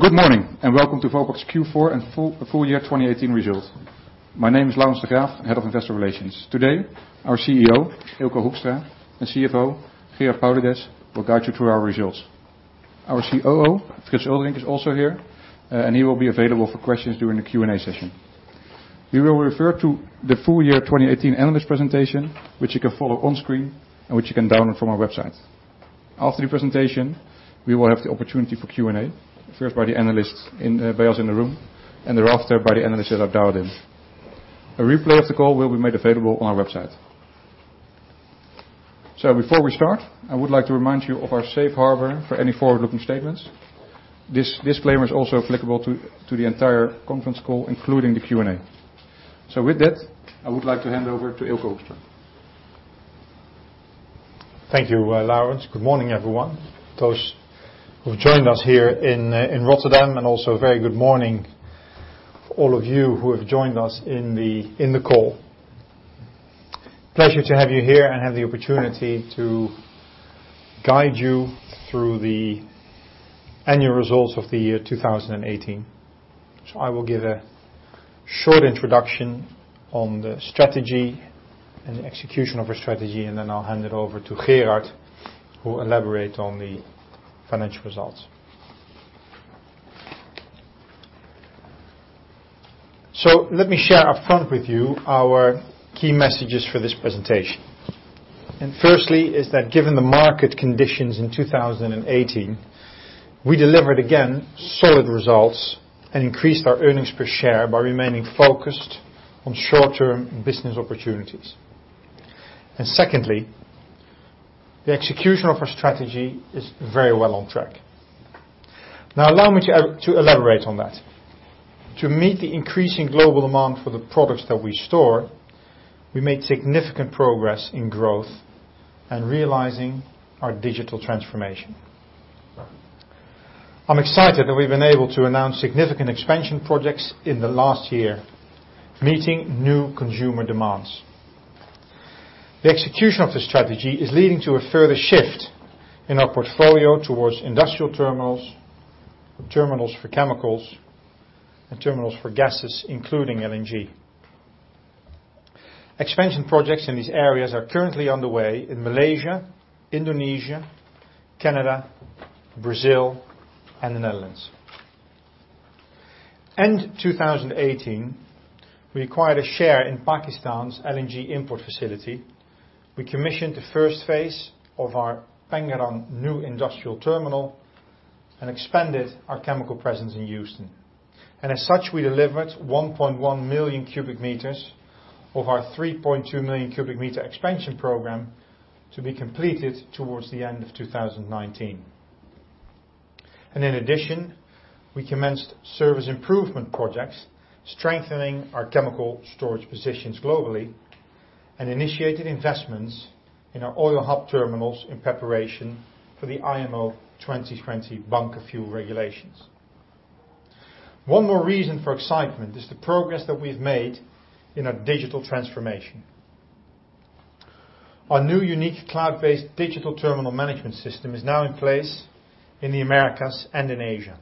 Good morning. Welcome to Vopak's Q4 and full year 2018 results. My name is Laurens de Graaf, Head of Investor Relations. Today, our CEO, Eelco Hoekstra, and CFO, Gerard Paulusse, will guide you through our results. Our COO, Frits Oldenkamp, is also here, and he will be available for questions during the Q&A session. We will refer to the full year 2018 analyst presentation, which you can follow on screen and which you can download from our website. After the presentation, we will have the opportunity for Q&A, first by the analysts by us in the room, and thereafter by the analysts that have dialed in. A replay of the call will be made available on our website. Before we start, I would like to remind you of our safe harbor for any forward-looking statements. This disclaimer is also applicable to the entire conference call, including the Q&A. With that, I would like to hand over to Eelco Hoekstra. Thank you, Laurens. Good morning, everyone, those who have joined us here in Rotterdam, and also a very good morning all of you who have joined us in the call. Pleasure to have you here and have the opportunity to guide you through the annual results of the year 2018. I will give a short introduction on the strategy and the execution of our strategy, then I'll hand it over to Gerard, who will elaborate on the financial results. Let me share up front with you our key messages for this presentation. Firstly is that given the market conditions in 2018, we delivered again solid results and increased our earnings per share by remaining focused on short-term business opportunities. Secondly, the execution of our strategy is very well on track. Now allow me to elaborate on that. To meet the increasing global demand for the products that we store, we made significant progress in growth and realizing our digital transformation. I'm excited that we've been able to announce significant expansion projects in the last year, meeting new consumer demands. The execution of the strategy is leading to a further shift in our portfolio towards industrial terminals for chemicals, and terminals for gases, including LNG. Expansion projects in these areas are currently underway in Malaysia, Indonesia, Canada, Brazil, and the Netherlands. End 2018, we acquired a share in Pakistan's LNG import facility. We commissioned the first phase of our Pengerang New Industrial Terminal and expanded our chemical presence in Houston. As such, we delivered 1.1 million m³ of our 3.2 million m³ expansion program to be completed towards the end of 2019. In addition, we commenced service improvement projects, strengthening our chemical storage positions globally, and initiated investments in our oil hub terminals in preparation for the IMO 2020 bunker fuel regulations. One more reason for excitement is the progress that we've made in our digital transformation. Our new unique cloud-based digital terminal management system is now in place in the Americas and in Asia.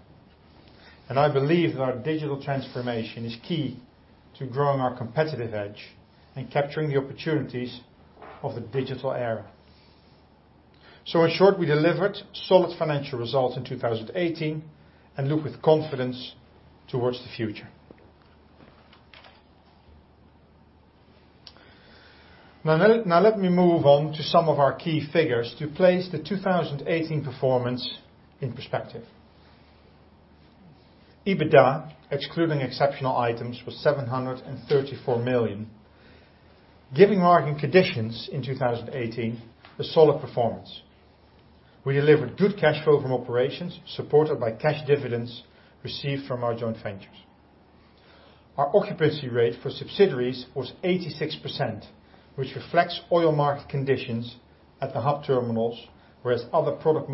I believe that our digital transformation is key to growing our competitive edge and capturing the opportunities of the digital era. In short, we delivered solid financial results in 2018 and look with confidence towards the future. Let me move on to some of our key figures to place the 2018 performance in perspective. EBITDA, excluding exceptional items, was 734 million, giving market conditions in 2018 a solid performance. We delivered good cash flow from operations, supported by cash dividends received from our joint ventures. Our occupancy rate for subsidiaries was 86%, which reflects oil market conditions at the hub terminals, whereas other product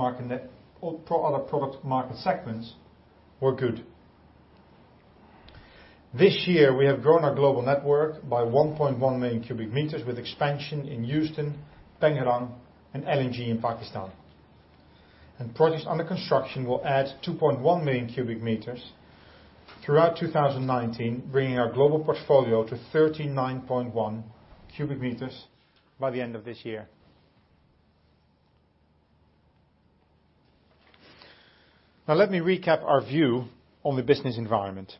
market segments were good. This year, we have grown our global network by 1.1 million m³ with expansion in Houston, Pengerang, and LNG in Pakistan. Projects under construction will add 2.1 million m³ throughout 2019, bringing our global portfolio to 39.1 m³ by the end of this year. Let me recap our view on the business environment.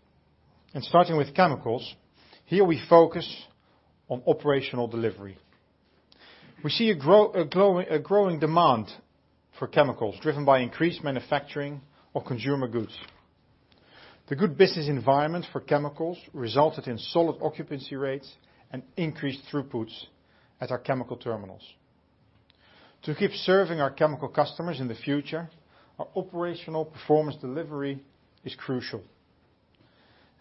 Starting with chemicals, here we focus on operational delivery. We see a growing demand for chemicals driven by increased manufacturing of consumer goods. The good business environment for chemicals resulted in solid occupancy rates and increased throughputs at our chemical terminals. To keep serving our chemical customers in the future, our operational performance delivery is crucial,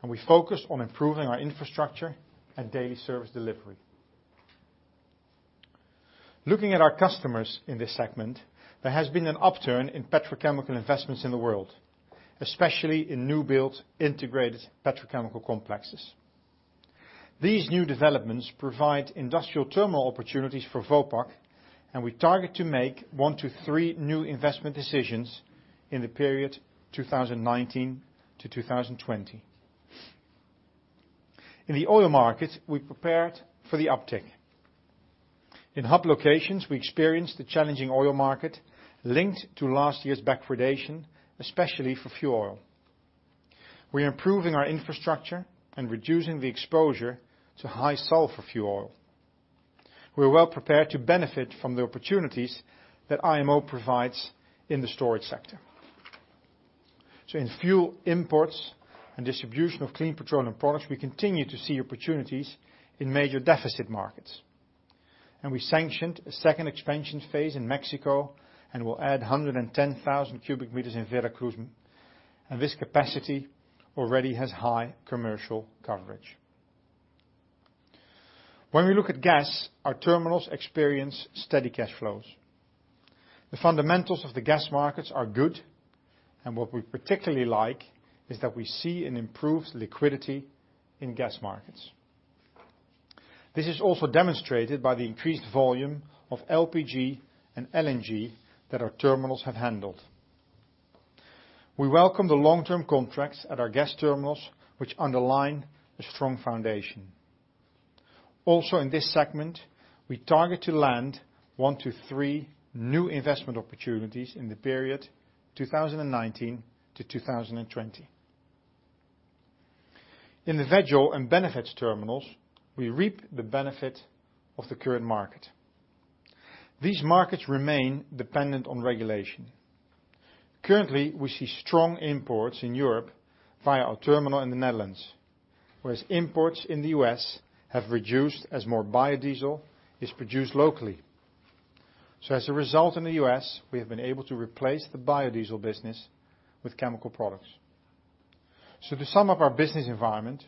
and we focus on improving our infrastructure and daily service delivery. Looking at our customers in this segment, there has been an upturn in petrochemical investments in the world, especially in new build integrated petrochemical complexes. These new developments provide industrial terminal opportunities for Vopak, and we target to make one to three new investment decisions in the period 2019 to 2020. In the oil market, we prepared for the uptick. In hub locations, we experienced the challenging oil market linked to last year's backwardation, especially for fuel oil. We're improving our infrastructure and reducing the exposure to high sulfur fuel oil. We're well prepared to benefit from the opportunities that IMO provides in the storage sector. In fuel imports and distribution of clean petroleum products, we continue to see opportunities in major deficit markets. We sanctioned a second expansion phase in Mexico and will add 110,000 m³ in Veracruz. This capacity already has high commercial coverage. When we look at gas, our terminals experience steady cash flows. The fundamentals of the gas markets are good, and what we particularly like is that we see an improved liquidity in gas markets. This is also demonstrated by the increased volume of LPG and LNG that our terminals have handled. We welcome the long-term contracts at our gas terminals, which underline a strong foundation. Also in this segment, we target to land one to three new investment opportunities in the period 2019- 2020. In the veg oil and benefits terminals, we reap the benefit of the current market. These markets remain dependent on regulation. Currently, we see strong imports in Europe via our terminal in the Netherlands, whereas imports in the U.S. have reduced as more biodiesel is produced locally. As a result in the U.S., we have been able to replace the biodiesel business with chemical products. To sum up our business environment,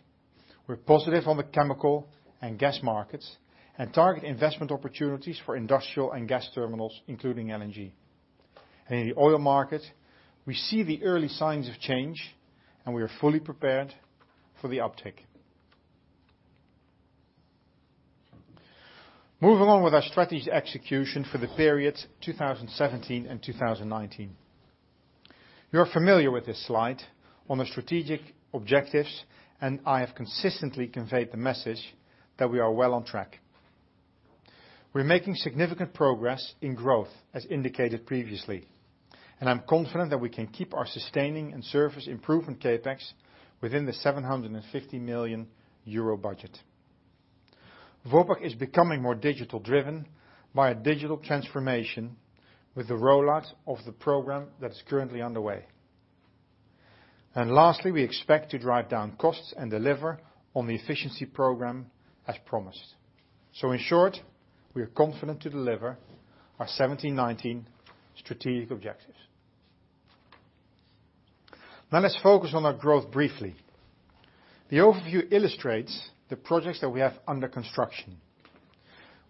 we are positive on the chemical and gas markets and target investment opportunities for industrial and gas terminals, including LNG. In the oil market, we see the early signs of change, and we are fully prepared for the uptick. Moving on with our strategy execution for the period 2017 and 2019. You are familiar with this slide on the strategic objectives, and I have consistently conveyed the message that we are well on track. We are making significant progress in growth as indicated previously, and I am confident that we can keep our sustaining and service improvement CapEx within the 750 million euro budget. Vopak is becoming more digital driven by a digital transformation with the rollout of the program that is currently underway. Lastly, we expect to drive down costs and deliver on the efficiency program as promised. In short, we are confident to deliver our 2017, 2019 strategic objectives. Let's focus on our growth briefly. The overview illustrates the projects that we have under construction.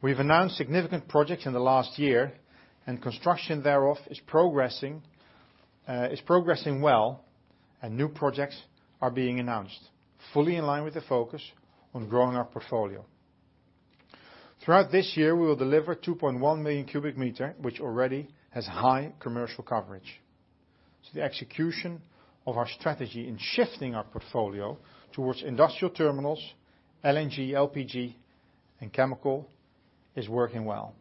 We have announced significant projects in the last year, and construction thereof is progressing well, and new projects are being announced, fully in line with the focus on growing our portfolio. Throughout this year, we will deliver 2.1 million m³, which already has high commercial coverage. The execution of our strategy in shifting our portfolio towards industrial terminals, LNG, LPG, and chemical is working well.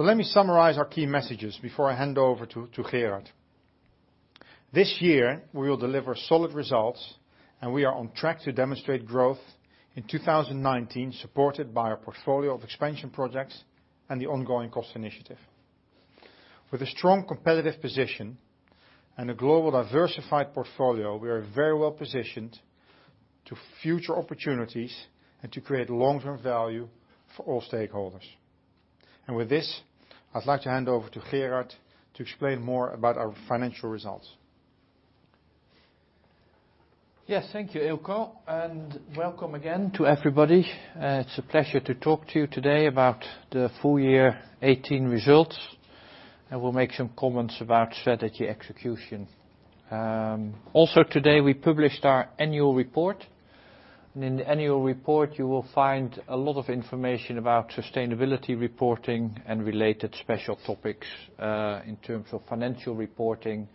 Let me summarize our key messages before I hand over to Gerard. This year, we will deliver solid results, and we are on track to demonstrate growth in 2019, supported by our portfolio of expansion projects and the ongoing cost initiative. With a strong competitive position and a global diversified portfolio, we are very well-positioned to future opportunities and to create long-term value for all stakeholders. With this, I would like to hand over to Gerard to explain more about our financial results. Yes, thank you, Eelco, and welcome again to everybody. It is a pleasure to talk to you today about the full year 2018 results. I will make some comments about strategy execution. Also today, we published our annual report. In the annual report, you will find a lot of information about sustainability reporting and related special topics, in terms of financial reporting,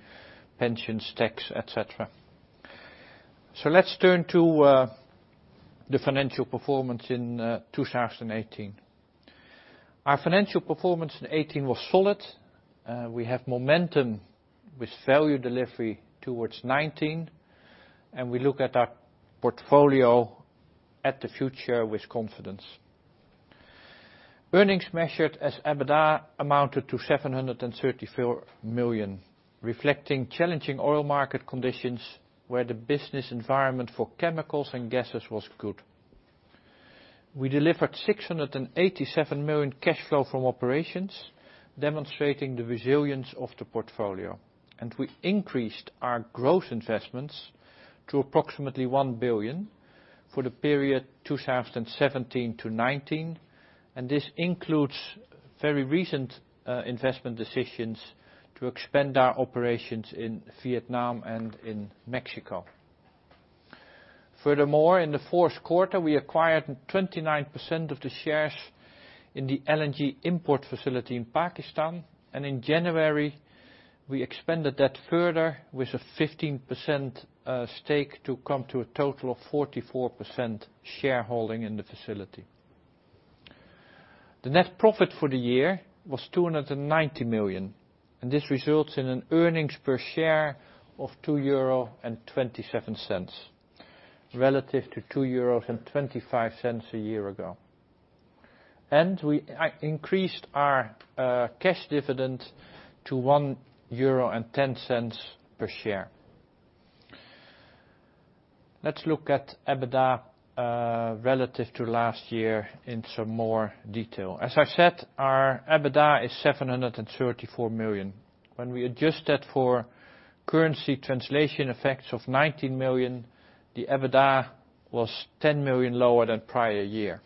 pensions, tax, et cetera. Let's turn to the financial performance in 2018. Our financial performance in 2018 was solid. We have momentum with value delivery towards 2019, and we look at our portfolio at the future with confidence. Earnings measured as EBITDA amounted to 734 million, reflecting challenging oil market conditions where the business environment for chemicals and gases was good. We delivered 687 million cash flow from operations, demonstrating the resilience of the portfolio. We increased our growth investments to approximately 1 billion for the period 2017 to 2019, and this includes very recent investment decisions to expand our operations in Vietnam and in Mexico. Furthermore, in the fourth quarter, we acquired 29% of the shares in the LNG import facility in Pakistan, and in January, we expanded that further with a 15% stake to come to a total of 44% shareholding in the facility. The net profit for the year was 290 million, and this results in an earnings per share of 2.27 euro, relative to 2.25 euros a year ago. We increased our cash dividend to 1.10 euro per share. Let's look at EBITDA relative to last year in some more detail. Our EBITDA is 734 million. When we adjust that for currency translation effects of 19 million, the EBITDA was 10 million lower than prior year.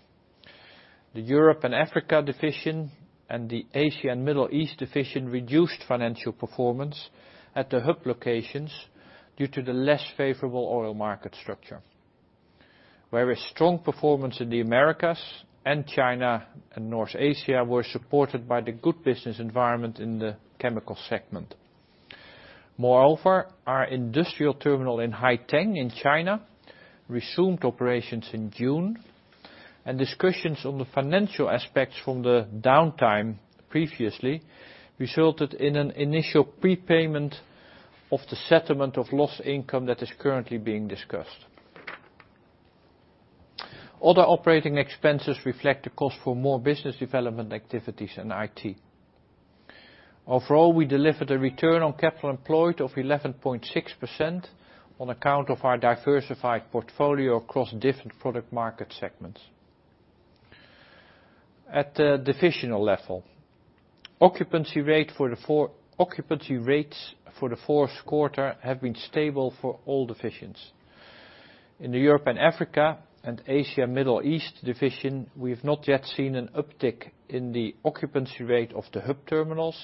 The Europe & Africa division and the Asia & Middle East division reduced financial performance at the hub locations due to the less favorable oil market structure. Whereas strong performance in the Americas and China & North Asia were supported by the good business environment in the chemical segment. Moreover, our industrial terminal in Haiteng in China resumed operations in June, and discussions on the financial aspects from the downtime previously resulted in an initial prepayment of the settlement of lost income that is currently being discussed. Other operating expenses reflect the cost for more business development activities and IT. Overall, we delivered a return on capital employed of 11.6% on account of our diversified portfolio across different product market segments. At the divisional level, occupancy rates for the fourth quarter have been stable for all divisions. In the Europe & Africa and Asia & Middle East division, we have not yet seen an uptick in the occupancy rate of the hub terminals,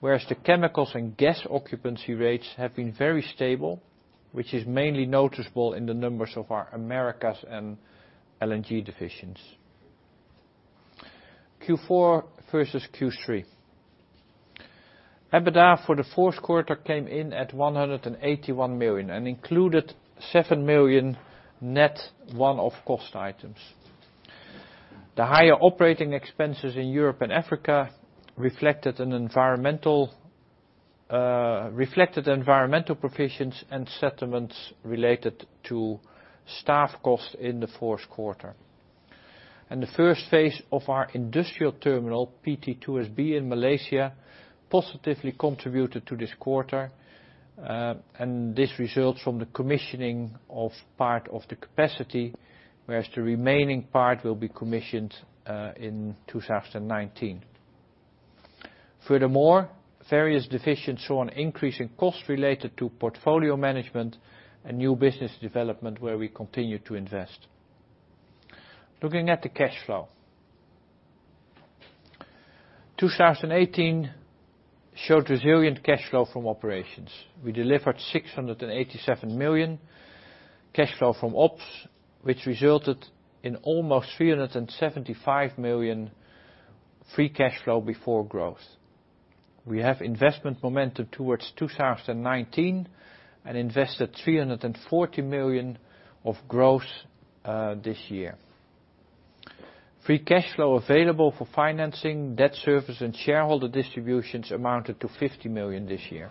whereas the chemicals and gas occupancy rates have been very stable, which is mainly noticeable in the numbers of our Americas and LNG divisions. Q4 versus Q3. EBITDA for the fourth quarter came in at 181 million and included 7 million net one-off cost items. The higher operating expenses in Europe & Africa reflected environmental provisions and settlements related to staff costs in the fourth quarter. The first phase of our industrial terminal, PT2SB in Malaysia, positively contributed to this quarter, and this results from the commissioning of part of the capacity, whereas the remaining part will be commissioned in 2019. Furthermore, various divisions saw an increase in cost related to portfolio management and new business development, where we continue to invest. Looking at the cash flow. 2018 showed resilient cash flow from operations. We delivered 687 million cash flow from ops, which resulted in almost 375 million free cash flow before growth. We have investment momentum towards 2019 and invested 340 million of growth this year. Free cash flow available for financing, debt service and shareholder distributions amounted to 50 million this year.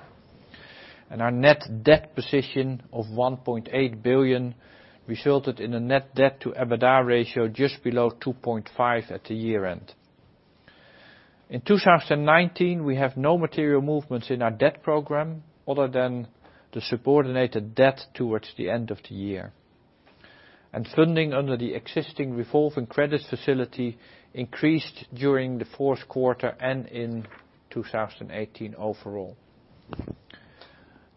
Our net debt position of 1.8 billion resulted in a net debt to EBITDA ratio just below 2.5 at the year-end. In 2019, we have no material movements in our debt program other than the subordinated debt towards the end of the year. Funding under the existing revolving credit facility increased during the fourth quarter and in 2018 overall.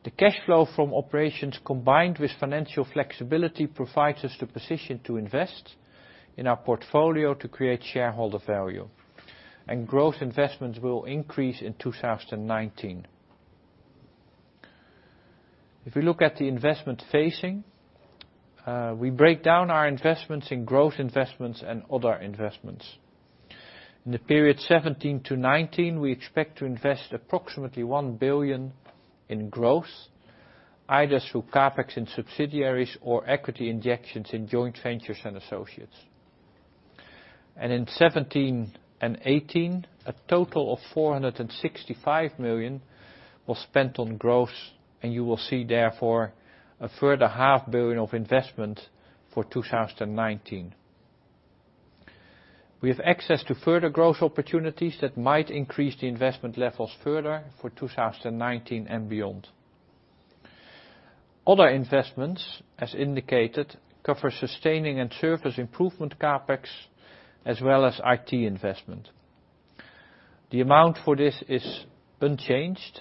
The cash flow from operations combined with financial flexibility provides us the position to invest in our portfolio to create shareholder value. Growth investments will increase in 2019. If we look at the investment phasing, we break down our investments in growth investments and other investments. In the period 2017 to 2019, we expect to invest approximately 1 billion in growth, either through CapEx in subsidiaries or equity injections in joint ventures and associates. In 2017 and 2018, a total of 465 million was spent on growth. You will see therefore a further half billion of investment for 2019. We have access to further growth opportunities that might increase the investment levels further for 2019 and beyond. Other investments, as indicated, cover sustaining and service improvement CapEx, as well as IT investment. The amount for this is unchanged.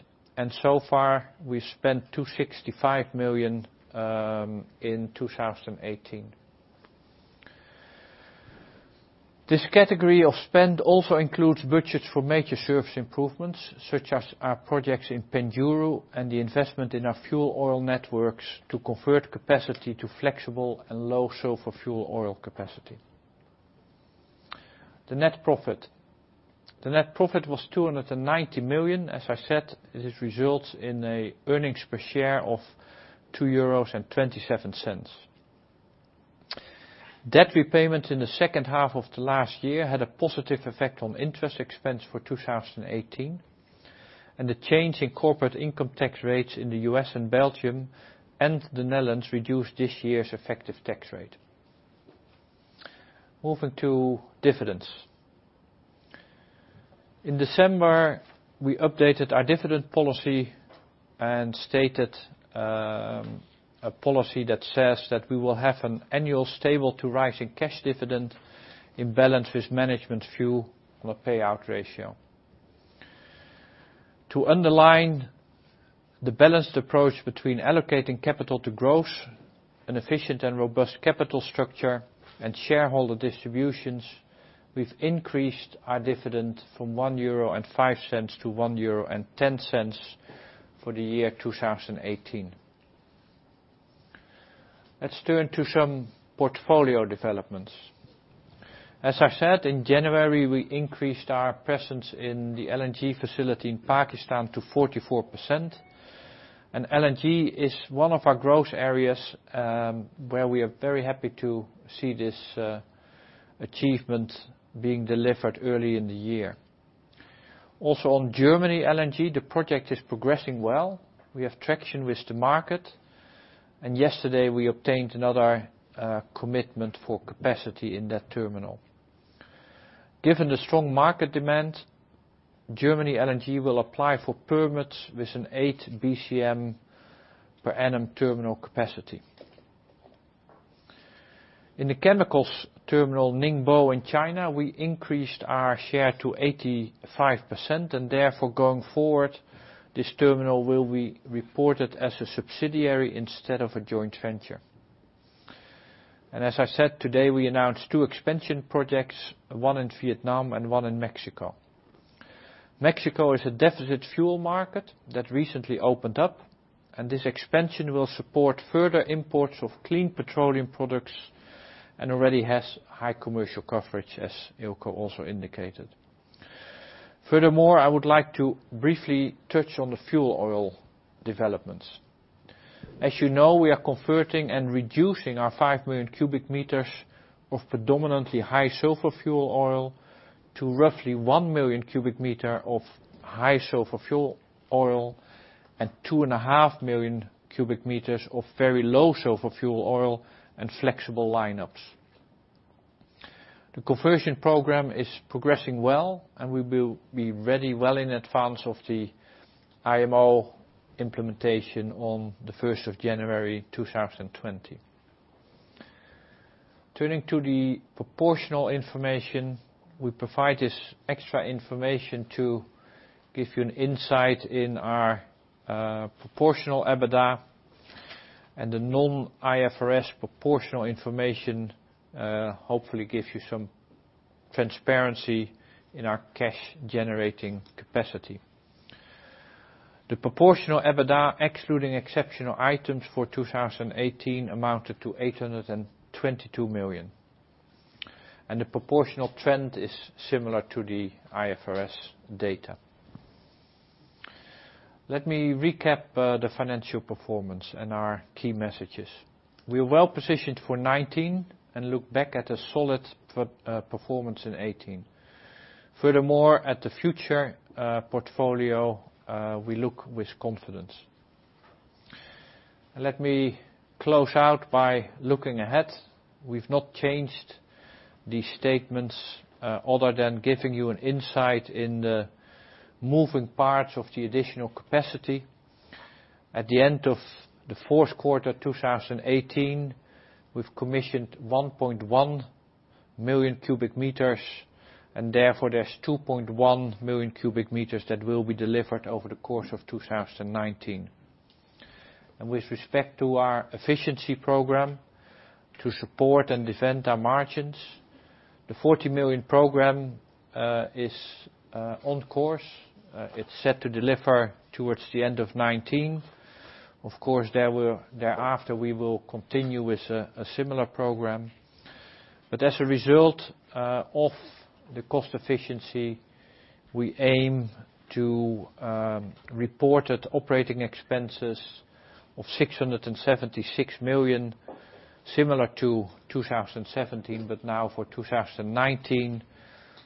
So far, we've spent 265 million in 2018. This category of spend also includes budgets for major service improvements, such as our projects in Pengerang and the investment in our fuel oil networks to convert capacity to flexible and low sulfur fuel oil capacity. The net profit. The net profit was 290 million. As I said, it results in an earnings per share of €2.27. Debt repayment in the second half of the last year had a positive effect on interest expense for 2018. The change in corporate income tax rates in the U.S. and Belgium and the Netherlands reduced this year's effective tax rate. Moving to dividends. In December, we updated our dividend policy and stated a policy that says that we will have an annual stable to rising cash dividend in balance with management view on a payout ratio. To underline the balanced approach between allocating capital to growth, an efficient and robust capital structure, and shareholder distributions, we've increased our dividend from €1.05 -€1.10 for the year 2018. Let's turn to some portfolio developments. As I said, in January, we increased our presence in the LNG facility in Pakistan to 44%. LNG is one of our growth areas where we are very happy to see this achievement being delivered early in the year. Also, on German LNG Terminal, the project is progressing well. We have traction with the market. Yesterday we obtained another commitment for capacity in that terminal. Given the strong market demand, German LNG Terminal will apply for permits with an 8 BCM per annum terminal capacity. In the chemicals terminal Ningbo in China, we increased our share to 85%. Therefore, going forward, this terminal will be reported as a subsidiary instead of a joint venture. As I said, today, we announced two expansion projects, one in Vietnam and one in Mexico. Mexico is a deficit fuel market that recently opened up. This expansion will support further imports of clean petroleum products and already has high commercial coverage, as Eelco also indicated. Furthermore, I would like to briefly touch on the fuel oil developments. As you know, we are converting and reducing our 5 million m³ of predominantly high sulfur fuel oil to roughly 1 million m³ of high sulfur fuel oil and 2.5 m³ of very low sulfur fuel oil and flexible lineups. The conversion program is progressing well, and we will be ready well in advance of the IMO implementation on the 1st of January, 2020. Turning to the proportional information, we provide this extra information to give you an insight in our proportional EBITDA and the non-IFRS proportional information, hopefully gives you some transparency in our cash generating capacity. The proportional EBITDA, excluding exceptional items for 2018, amounted to 822 million, and the proportional trend is similar to the IFRS data. Let me recap the financial performance and our key messages. We are well-positioned for 2019 and look back at a solid performance in 2018. Furthermore, at the future portfolio, we look with confidence. Let me close out by looking ahead. We have not changed these statements other than giving you an insight in the moving parts of the additional capacity. At the end of the fourth quarter 2018, we have commissioned 1.1 million m³, and therefore there is 2.1 million m³ that will be delivered over the course of 2019. And with respect to our efficiency program to support and defend our margins, the 40 million program is on course. It is set to deliver towards the end of 2019. Of course, thereafter, we will continue with a similar program. As a result of the cost efficiency, we aim to reported operating expenses of 676 million, similar to 2017, now for 2019.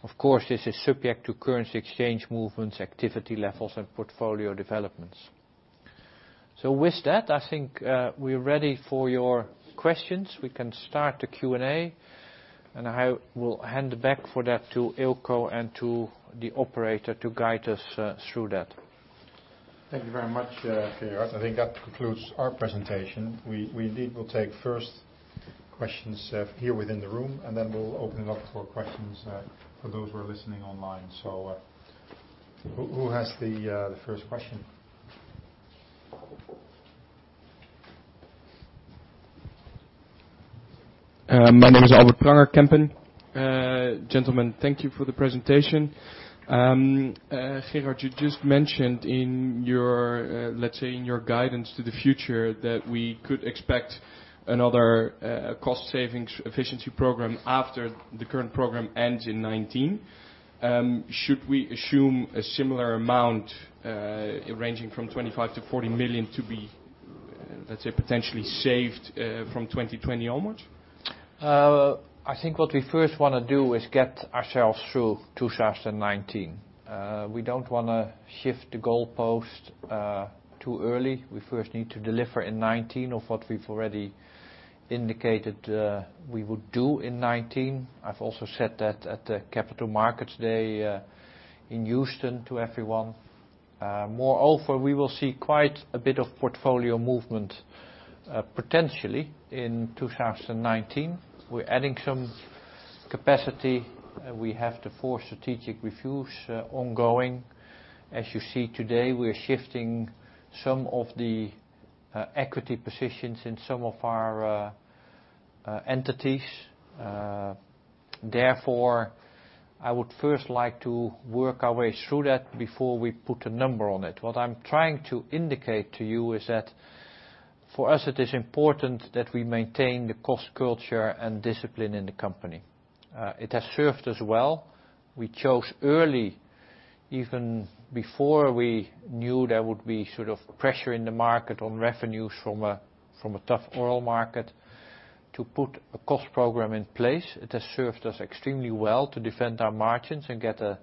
Of course, this is subject to currency exchange movements, activity levels, and portfolio developments. With that, I think we are ready for your questions. We can start the Q&A, and I will hand back for that to Eelco and to the operator to guide us through that. Thank you very much, Gerard. I think that concludes our presentation. We indeed will take first questions here within the room, and then we will open it up for questions for those who are listening online. Who has the first question? My name is Albert Pranger Kempen. Gentlemen, thank you for the presentation. Gerard, you just mentioned in your guidance to the future that we could expect another cost savings efficiency program after the current program ends in 2019. Should we assume a similar amount, ranging from 25 million-40 million to be, let us say, potentially saved from 2020 onwards? I think what we first want to do is get ourselves through 2019. We don't want to shift the goalpost too early. We first need to deliver in 2019 of what we've already indicated we would do in 2019. I've also said that at the Capital Markets Day in Houston to everyone. Moreover, we will see quite a bit of portfolio movement, potentially in 2019. We're adding some capacity. We have the four strategic reviews ongoing. As you see today, we're shifting some of the equity positions in some of our entities. Therefore, I would first like to work our way through that before we put a number on it. What I'm trying to indicate to you is that for us it is important that we maintain the cost culture and discipline in the company. It has served us well. We chose early, even before we knew there would be pressure in the market on revenues from a tough oil market to put a cost program in place. It has served us extremely well to defend our margins and get a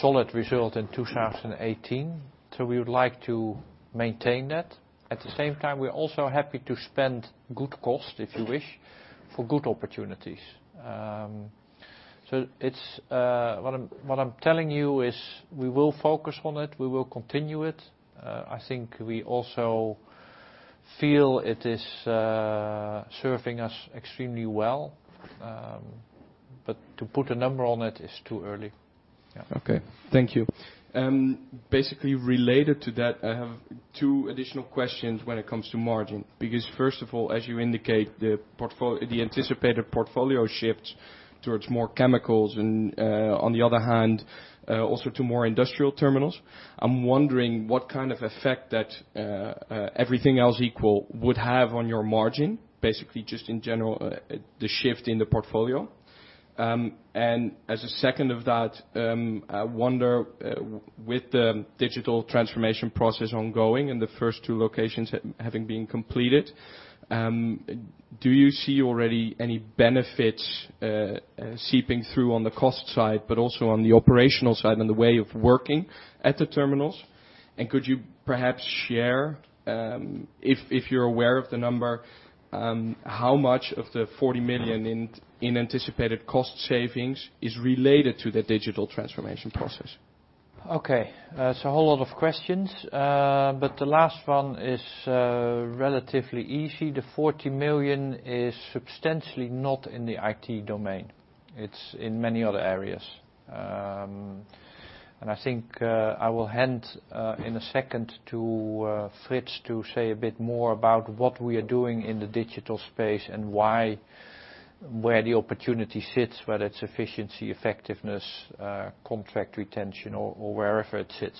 solid result in 2018. We would like to maintain that. At the same time, we're also happy to spend good cost, if you wish, for good opportunities. What I'm telling you is we will focus on it, we will continue it. I think we also feel it is serving us extremely well. To put a number on it is too early. Yeah. Okay, thank you. Basically related to that, I have two additional questions when it comes to margin, because first of all, as you indicate, the anticipated portfolio shifts towards more chemicals and, on the other hand, also to more industrial terminals. I'm wondering what kind of effect that everything else equal would have on your margin, basically just in general, the shift in the portfolio. And as a second of that, I wonder with the digital transformation process ongoing and the first two locations having been completed, do you see already any benefits seeping through on the cost side, but also on the operational side and the way of working at the terminals? And could you perhaps share, if you're aware of the number, how much of the 40 million in anticipated cost savings is related to the digital transformation process? Okay, it's a whole lot of questions. The last one is relatively easy. The 40 million is substantially not in the IT domain. It's in many other areas. I think I will hand in a second to Frits to say a bit more about what we are doing in the digital space and where the opportunity sits, whether it's efficiency, effectiveness, contract retention or wherever it sits.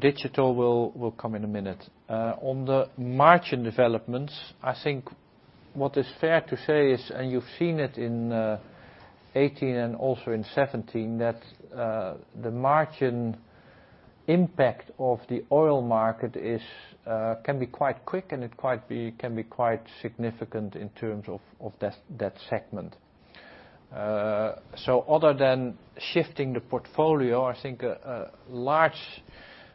Digital will come in a minute. On the margin developments, I think what is fair to say is, and you've seen it in 2018 and also in 2017, that the margin impact of the oil market can be quite quick and it can be quite significant in terms of that segment. Other than shifting the portfolio, I think a large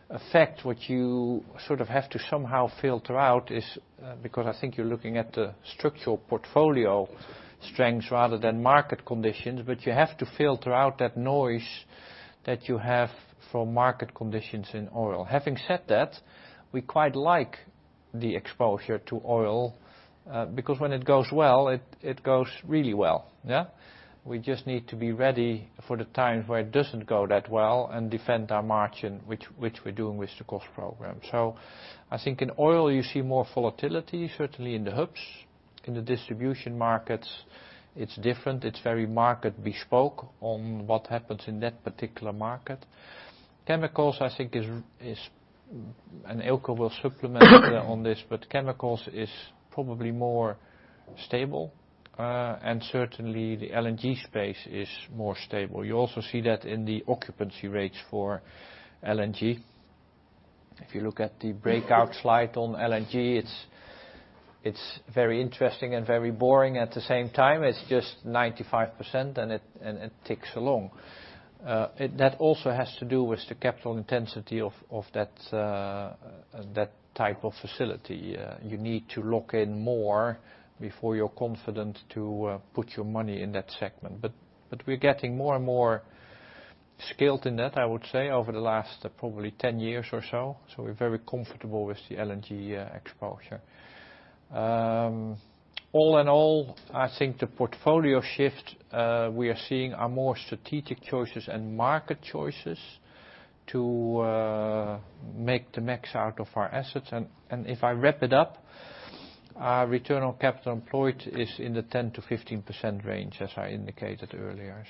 effect, which you sort of have to somehow filter out is because I think you're looking at the structural portfolio strengths rather than market conditions, but you have to filter out that noise that you have from market conditions in oil. Having said that, we quite like the exposure to oil, because when it goes well, it goes really well. Yeah. We just need to be ready for the times where it doesn't go that well and defend our margin, which we're doing with the cost program. I think in oil you see more volatility, certainly in the hubs. In the distribution markets, it's different. It's very market bespoke on what happens in that particular market. Chemicals, I think is, and Eelco will supplement on this, but chemicals is probably more stable. Certainly, the LNG space is more stable. You also see that in the occupancy rates for LNG. If you look at the breakout slide on LNG, it's very interesting and very boring at the same time. It's just 95% and it ticks along. That also has to do with the capital intensity of that type of facility. You need to lock in more before you're confident to put your money in that segment. We're getting more and more skilled in that, I would say, over the last probably 10 years or so. We're very comfortable with the LNG exposure. All in all, I think the portfolio shift we are seeing are more strategic choices and market choices to make the max out of our assets. If I wrap it up, our return on capital employed is in the 10%-15% range, as I indicated earlier.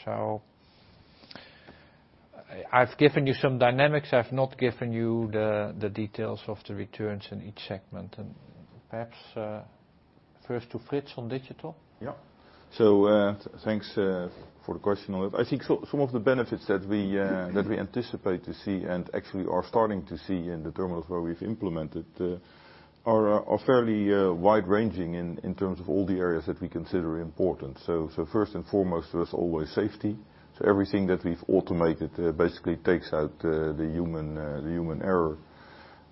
I've given you some dynamics. I've not given you the details of the returns in each segment. Perhaps, first to Frits on digital. Yeah. Thanks for the question on it. I think some of the benefits that we anticipate to see and actually are starting to see in the terminals where we've implemented are fairly wide-ranging in terms of all the areas that we consider important. First and foremost, there's always safety. Everything that we've automated basically takes out the human error.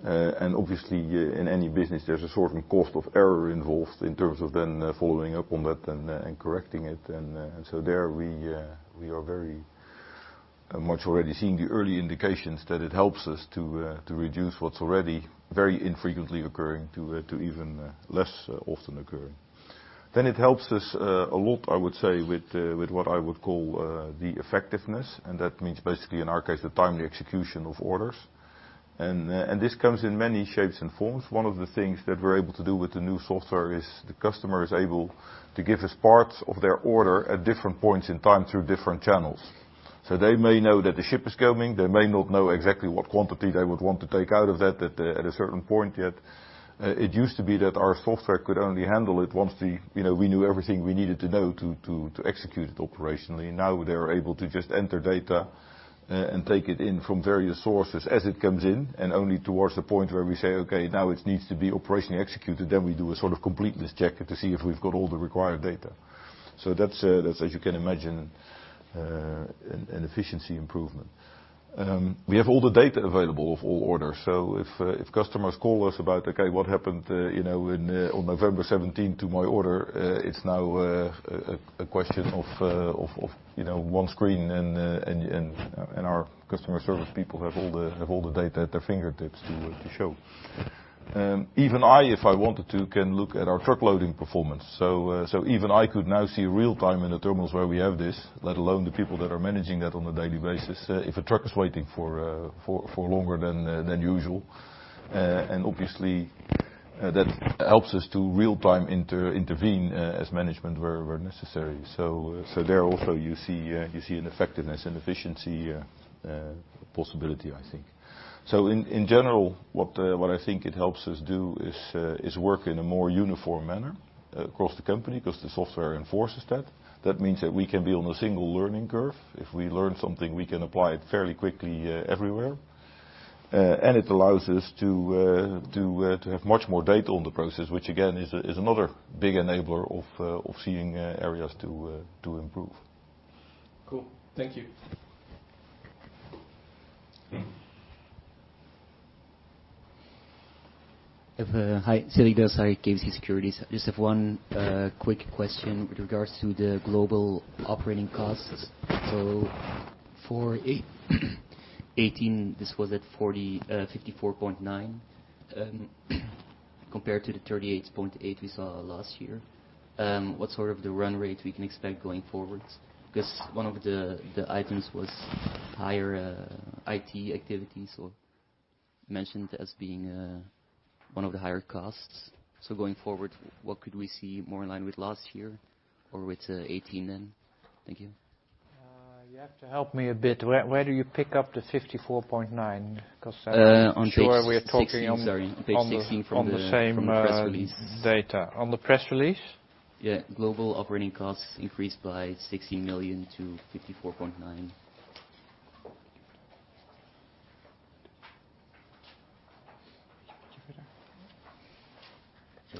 Obviously, in any business, there's a certain cost of error involved in terms of then following up on that and correcting it. There we are very much already seeing the early indications that it helps us to reduce what's already very infrequently occurring to even less often occurring. It helps us a lot, I would say, with what I would call the effectiveness, and that means basically, in our case, the timely execution of orders. This comes in many shapes and forms. One of the things that we're able to do with the new software is the customer is able to give us parts of their order at different points in time through different channels. They may know that the ship is coming, they may not know exactly what quantity they would want to take out of that at a certain point yet. It used to be that our software could only handle it once we knew everything we needed to know to execute it operationally. Now they're able to just enter data and take it in from various sources as it comes in, only towards the point where we say, "Okay, now it needs to be operationally executed," then we do a sort of completeness check to see if we've got all the required data. That's, as you can imagine, an efficiency improvement. We have all the data available of all orders. If customers call us about, "Okay, what happened on November 17 to my order?" It's now a question of one screen, our customer service people have all the data at their fingertips to show. Even I, if I wanted to, can look at our truck loading performance. Even I could now see real-time in the terminals where we have this, let alone the people that are managing that on a daily basis. If a truck is waiting for longer than usual. Obviously, that helps us to real-time intervene, as management, where necessary. There also you see an effectiveness and efficiency possibility, I think. In general, what I think it helps us do is work in a more uniform manner across the company because the software enforces that. That means that we can be on a single learning curve. If we learn something, we can apply it fairly quickly everywhere. It allows us to have much more data on the process, which again, is another big enabler of seeing areas to improve. Cool. Thank you. Hi. [Celina Saffari], KBC Securities. I just have one quick question with regards to the global operating costs. For 2018, this was at 54.9 compared to the 38.8 we saw last year. What sort of the run rate we can expect going forward? Because one of the items was higher IT activity, so mentioned as being one of the higher costs. Going forward, what could we see more in line with last year or with 2018 then? Thank you. You have to help me a bit. Where do you pick up the 54.9? On page. I'm sure we're talking on the. Sorry. On page 16 from the press release Same data. On the press release? Yeah. Global operating costs increased by 16 million-54.9 million.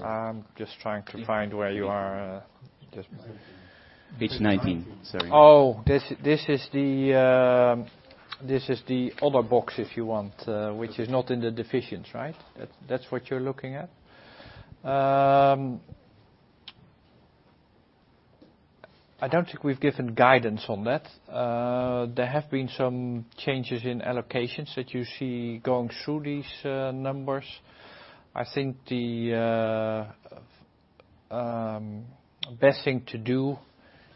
I'm just trying to find where you are. Page 19. Sorry. This is the other box, if you want, which is not in the divisions, right? That's what you're looking at? I don't think we've given guidance on that. There have been some changes in allocations that you see going through these numbers. I think the best thing to do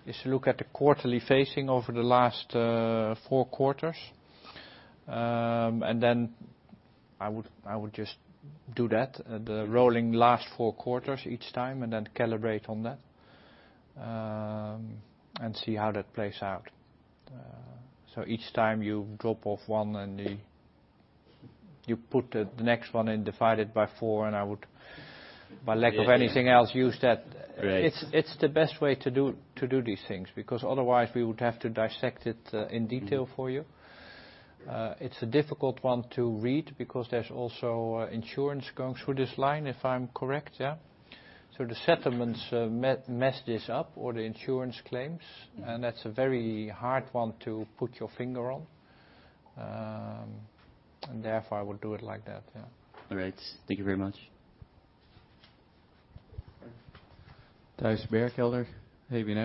is to look at the quarterly phasing over the last four quarters. Then I would just do that, the rolling last four quarters each time, and then calibrate on that and see how that plays out. Each time you drop off one and you put the next one in, divide it by four, and I would, by lack of anything else, use that. Right. It's the best way to do these things, because otherwise we would have to dissect it in detail for you. It's a difficult one to read because there's also insurance going through this line, if I'm correct, yeah? The settlements mess this up, or the insurance claims, that's a very hard one to put your finger on. Therefore, I would do it like that, yeah. All right. Thank you very much. Thijs Berkelder, ABN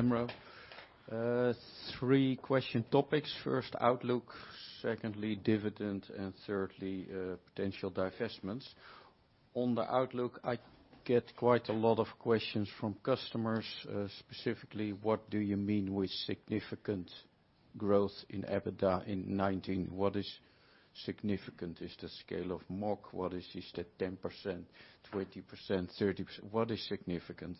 AMRO. Three question topics. First, outlook. Secondly, dividend. Thirdly, potential divestments. On the outlook, I get quite a lot of questions from customers, specifically, what do you mean with significant growth in EBITDA in 2019? What is significant? Is the scale of mock? What is this, the 10%, 20%, 30%? What is significant?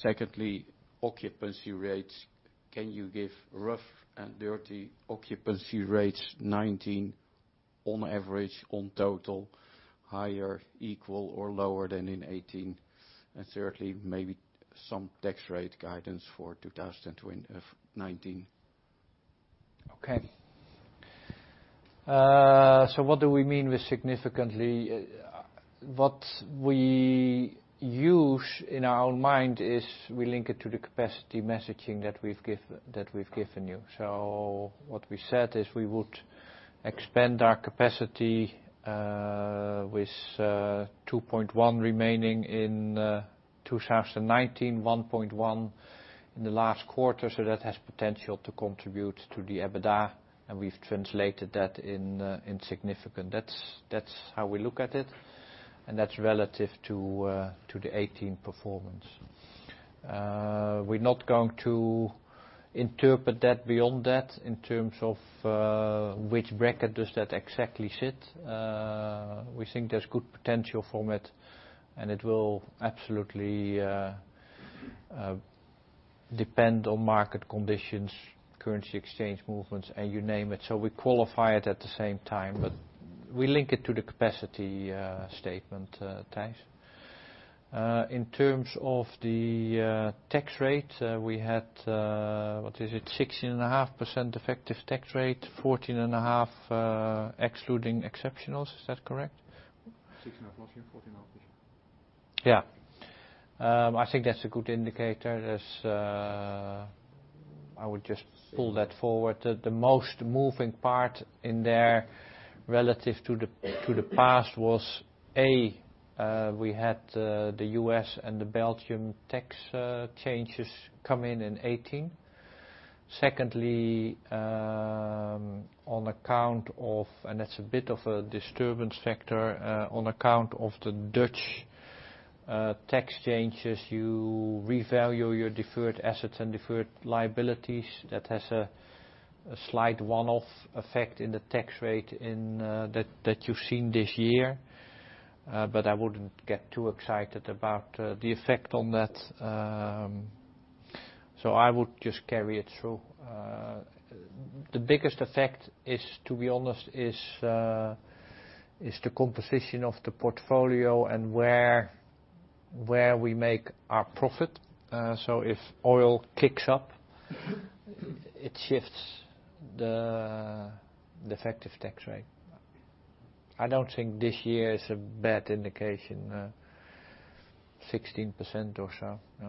Secondly, occupancy rates. Can you give rough and dirty occupancy rates 2019 on average, on total, higher, equal or lower than in 2018? Thirdly, maybe some tax rate guidance for 2019. What do we mean with significantly? What we use, in our mind, is we link it to the capacity messaging that we've given you. What we said is we would expand our capacity with 2.1 remaining in 2019, 1.1 in the last quarter. That has potential to contribute to the EBITDA, and we've translated that in significant. That's how we look at it, and that's relative to the 2018 performance. We're not going to interpret that beyond that, in terms of which bracket does that exactly sit. We think there's good potential from it, and it will absolutely depend on market conditions, currency exchange movements, and you name it. We qualify it at the same time. We link it to the capacity statement, Thijs. In terms of the tax rate, we had, what is it, 16.5% effective tax rate, 14.5% excluding exceptionals. Is that correct? 16.5% last year, 14.5% this year. Yeah. I think that's a good indicator. I would just pull that forward. The most moving part in there relative to the past was, A, we had the U.S. and the Belgium tax changes come in in 2018. Secondly, on account of, and that's a bit of a disturbance factor, on account of the Dutch tax changes, you revalue your deferred assets and deferred liabilities. That has a slight one-off effect in the tax rate that you've seen this year. I wouldn't get too excited about the effect on that. I would just carry it through. The biggest effect is, to be honest, is the composition of the portfolio and where we make our profit. If oil kicks up, it shifts the effective tax rate. I don't think this year is a bad indication, 16% or so. Yeah.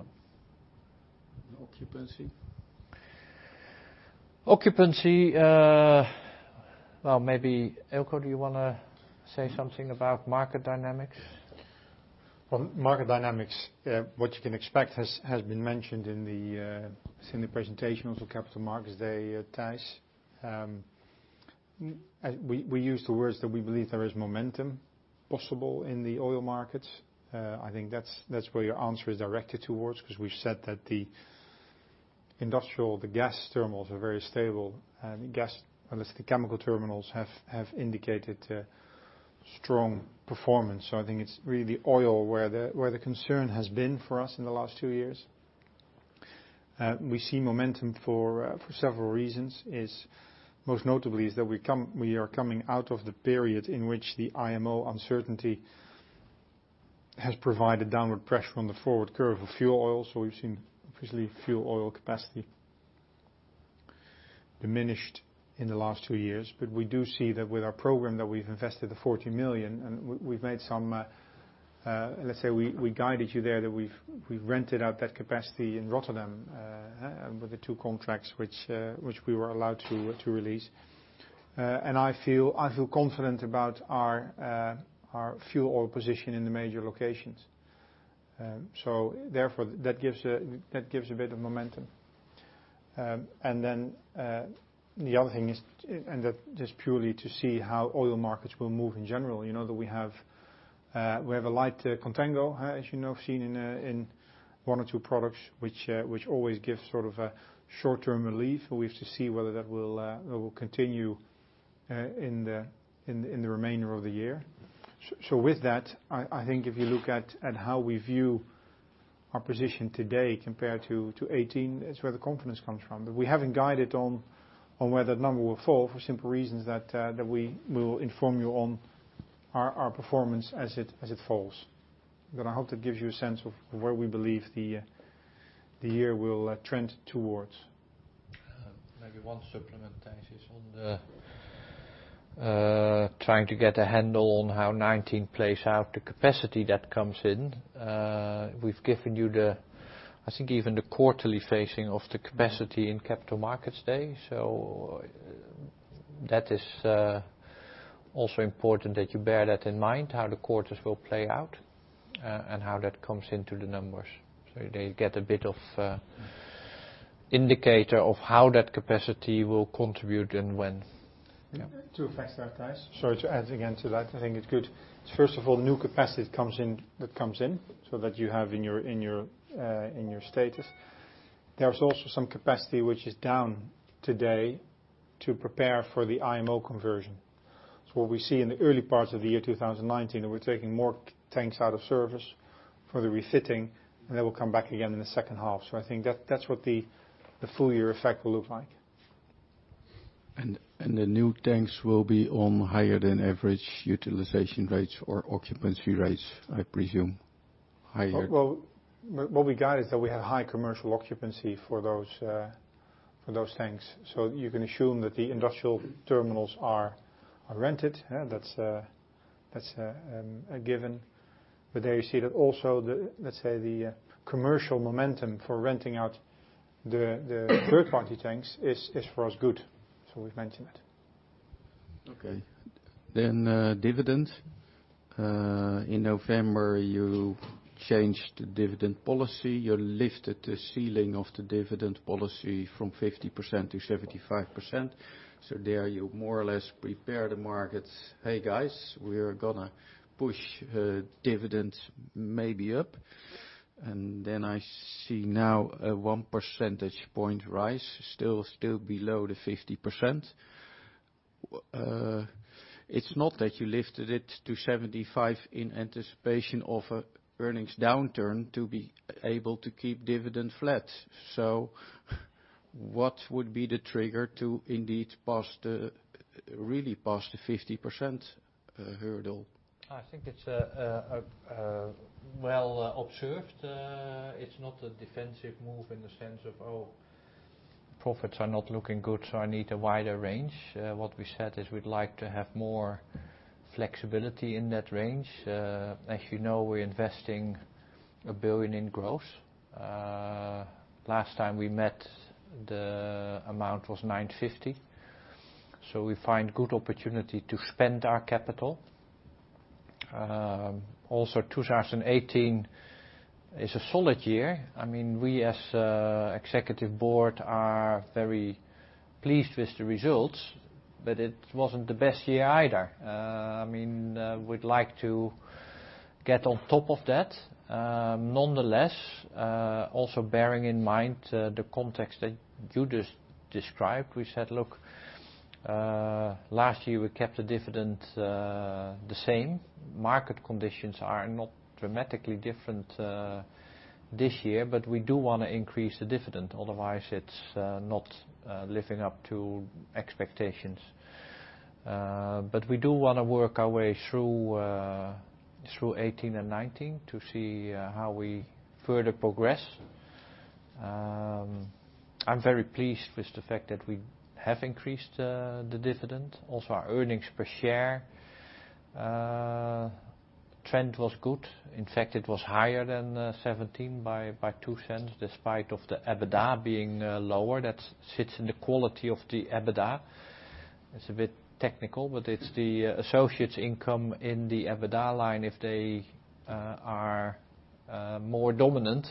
Occupancy? Occupancy, well, maybe Eelco, do you want to say something about market dynamics? Well, market dynamics, what you can expect has been mentioned in the presentation on the Capital Markets Day, Thijs. We use the words that we believe there is momentum possible in the oil market. I think that's where your answer is directed towards, because we've said that the industrial, the gas terminals are very stable, and the chemical terminals have indicated strong performance. I think it's really the oil where the concern has been for us in the last two years. We see momentum for several reasons, is most notably is that we are coming out of the period in which the IMO uncertainty has provided downward pressure on the forward curve of fuel oil. We've seen, obviously, fuel oil capacity diminished in the last two years. We do see that with our program that we've invested the 40 million and we've made some, let's say we guided you there, that we've rented out that capacity in Rotterdam with the two contracts which we were allowed to release. I feel confident about our fuel oil position in the major locations. Therefore, that gives a bit of momentum. The other thing is, and that is purely to see how oil markets will move in general, that we have a light contango, as you know, seen in one or two products, which always gives sort of a short-term relief, but we have to see whether that will continue in the remainder of the year. With that, I think if you look at how we view our position today compared to 2018, it's where the confidence comes from. We haven't guided on where that number will fall for simple reasons that we will inform you on our performance as it falls. I hope that gives you a sense of where we believe the year will trend towards. Maybe one supplement, Thijs, is on trying to get a handle on how 2019 plays out, the capacity that comes in. We've given you the, I think, even the quarterly phasing of the capacity in Capital Markets Day. That is also important that you bear that in mind, how the quarters will play out, and how that comes into the numbers. They get a bit of indicator of how that capacity will contribute and when. Two effects there, Thijs. Sorry to add again to that. I think it's good. First of all, new capacity that comes in, so that you have in your status. There's also some capacity which is down today to prepare for the IMO conversion. What we see in the early parts of the year 2019, that we're taking more tanks out of service for the refitting, and they will come back again in the second half. I think that's what the full year effect will look like. The new tanks will be on higher than average utilization rates or occupancy rates, I presume. Higher. What we got is that we have high commercial occupancy for those tanks. You can assume that the industrial terminals are rented, and that's a given. There you see that also, let's say, the commercial momentum for renting out the third-party tanks is for us good. We've mentioned it. In November, you changed the dividend policy. You lifted the ceiling of the dividend policy from 50%-75%. There you more or less prepare the market, "Hey, guys. We are going to push dividend maybe up." Then I see now a 1 percentage point rise, still below the 50%. It's not that you lifted it to 75 in anticipation of an earnings downturn to be able to keep dividend flat. What would be the trigger to indeed, really pass the 50% hurdle? I think it's well observed. It's not a defensive move in the sense of, "Oh, profits are not looking good, so I need a wider range." What we said is we'd like to have more flexibility in that range. As you know, we're investing 1 billion in growth. Last time we met, the amount was 950 million. We find good opportunity to spend our capital. Also, 2018 is a solid year. We, as Executive Board, are very pleased with the results, but it wasn't the best year either. We'd like to get on top of that. Nonetheless, also bearing in mind the context that you just described, we said, "Look, last year we kept the dividend the same. Market conditions are not dramatically different this year, but we do want to increase the dividend. Otherwise, it's not living up to expectations. We do want to work our way through 2018 and 2019 to see how we further progress. I'm very pleased with the fact that we have increased the dividend. Our earnings per share trend was good. In fact, it was higher than 2017 by 0.02 despite of the EBITDA being lower. That sits in the quality of the EBITDA. It's a bit technical, but it's the associates' income in the EBITDA line. If they are more dominant,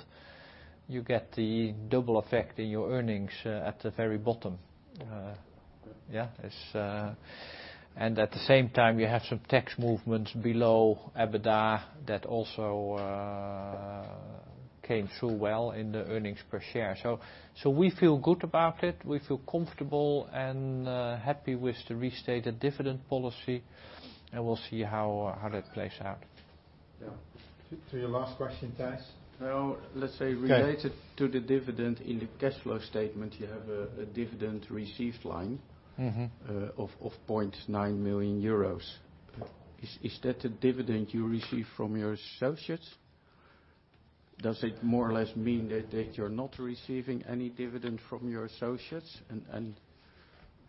you get the double effect in your earnings at the very bottom. At the same time, you have some tax movements below EBITDA that also came through well in the earnings per share. We feel good about it. We feel comfortable and happy with the restated dividend policy, and we'll see how that plays out. To your last question, Thijs? Related to the dividend, in the cash flow statement, you have a dividend received line of 9 million euros. Is that the dividend you receive from your associates? Does it more or less mean that you're not receiving any dividend from your associates? Can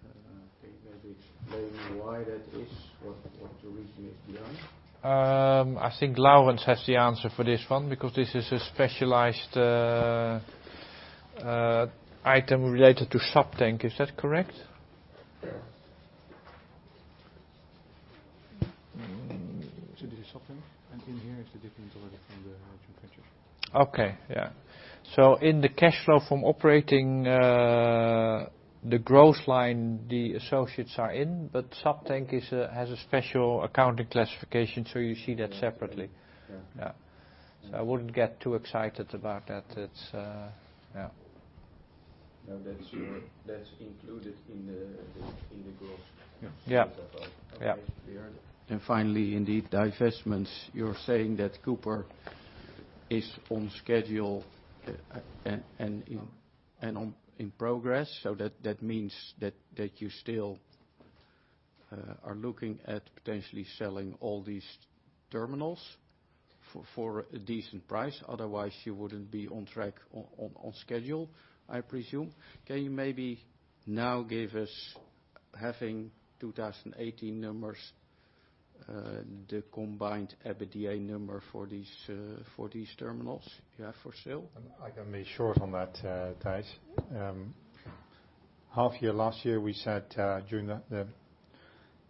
you maybe explain why that is, what the reason is behind? I think Laurens has the answer for this one because this is a specialized item related to Subtank. Is that correct? This is SubTank, and in here is the dividend related from the Okay. Yeah. In the cash flow from operating the growth line, the associates are in, but SubTank has a special accounting classification, so you see that separately. Yeah. Yeah. I wouldn't get too excited about that. No, that's included in the growth. Yeah. Okay. Finally, indeed, divestments. You are saying that Cooper is on schedule and in progress. That means that you still are looking at potentially selling all these terminals for a decent price. Otherwise, you wouldn't be on track, on schedule, I presume. Can you maybe now give us, having 2018 numbers The combined EBITDA number for these terminals you have for sale. I can be short on that, Thijs. Half year last year, we said during the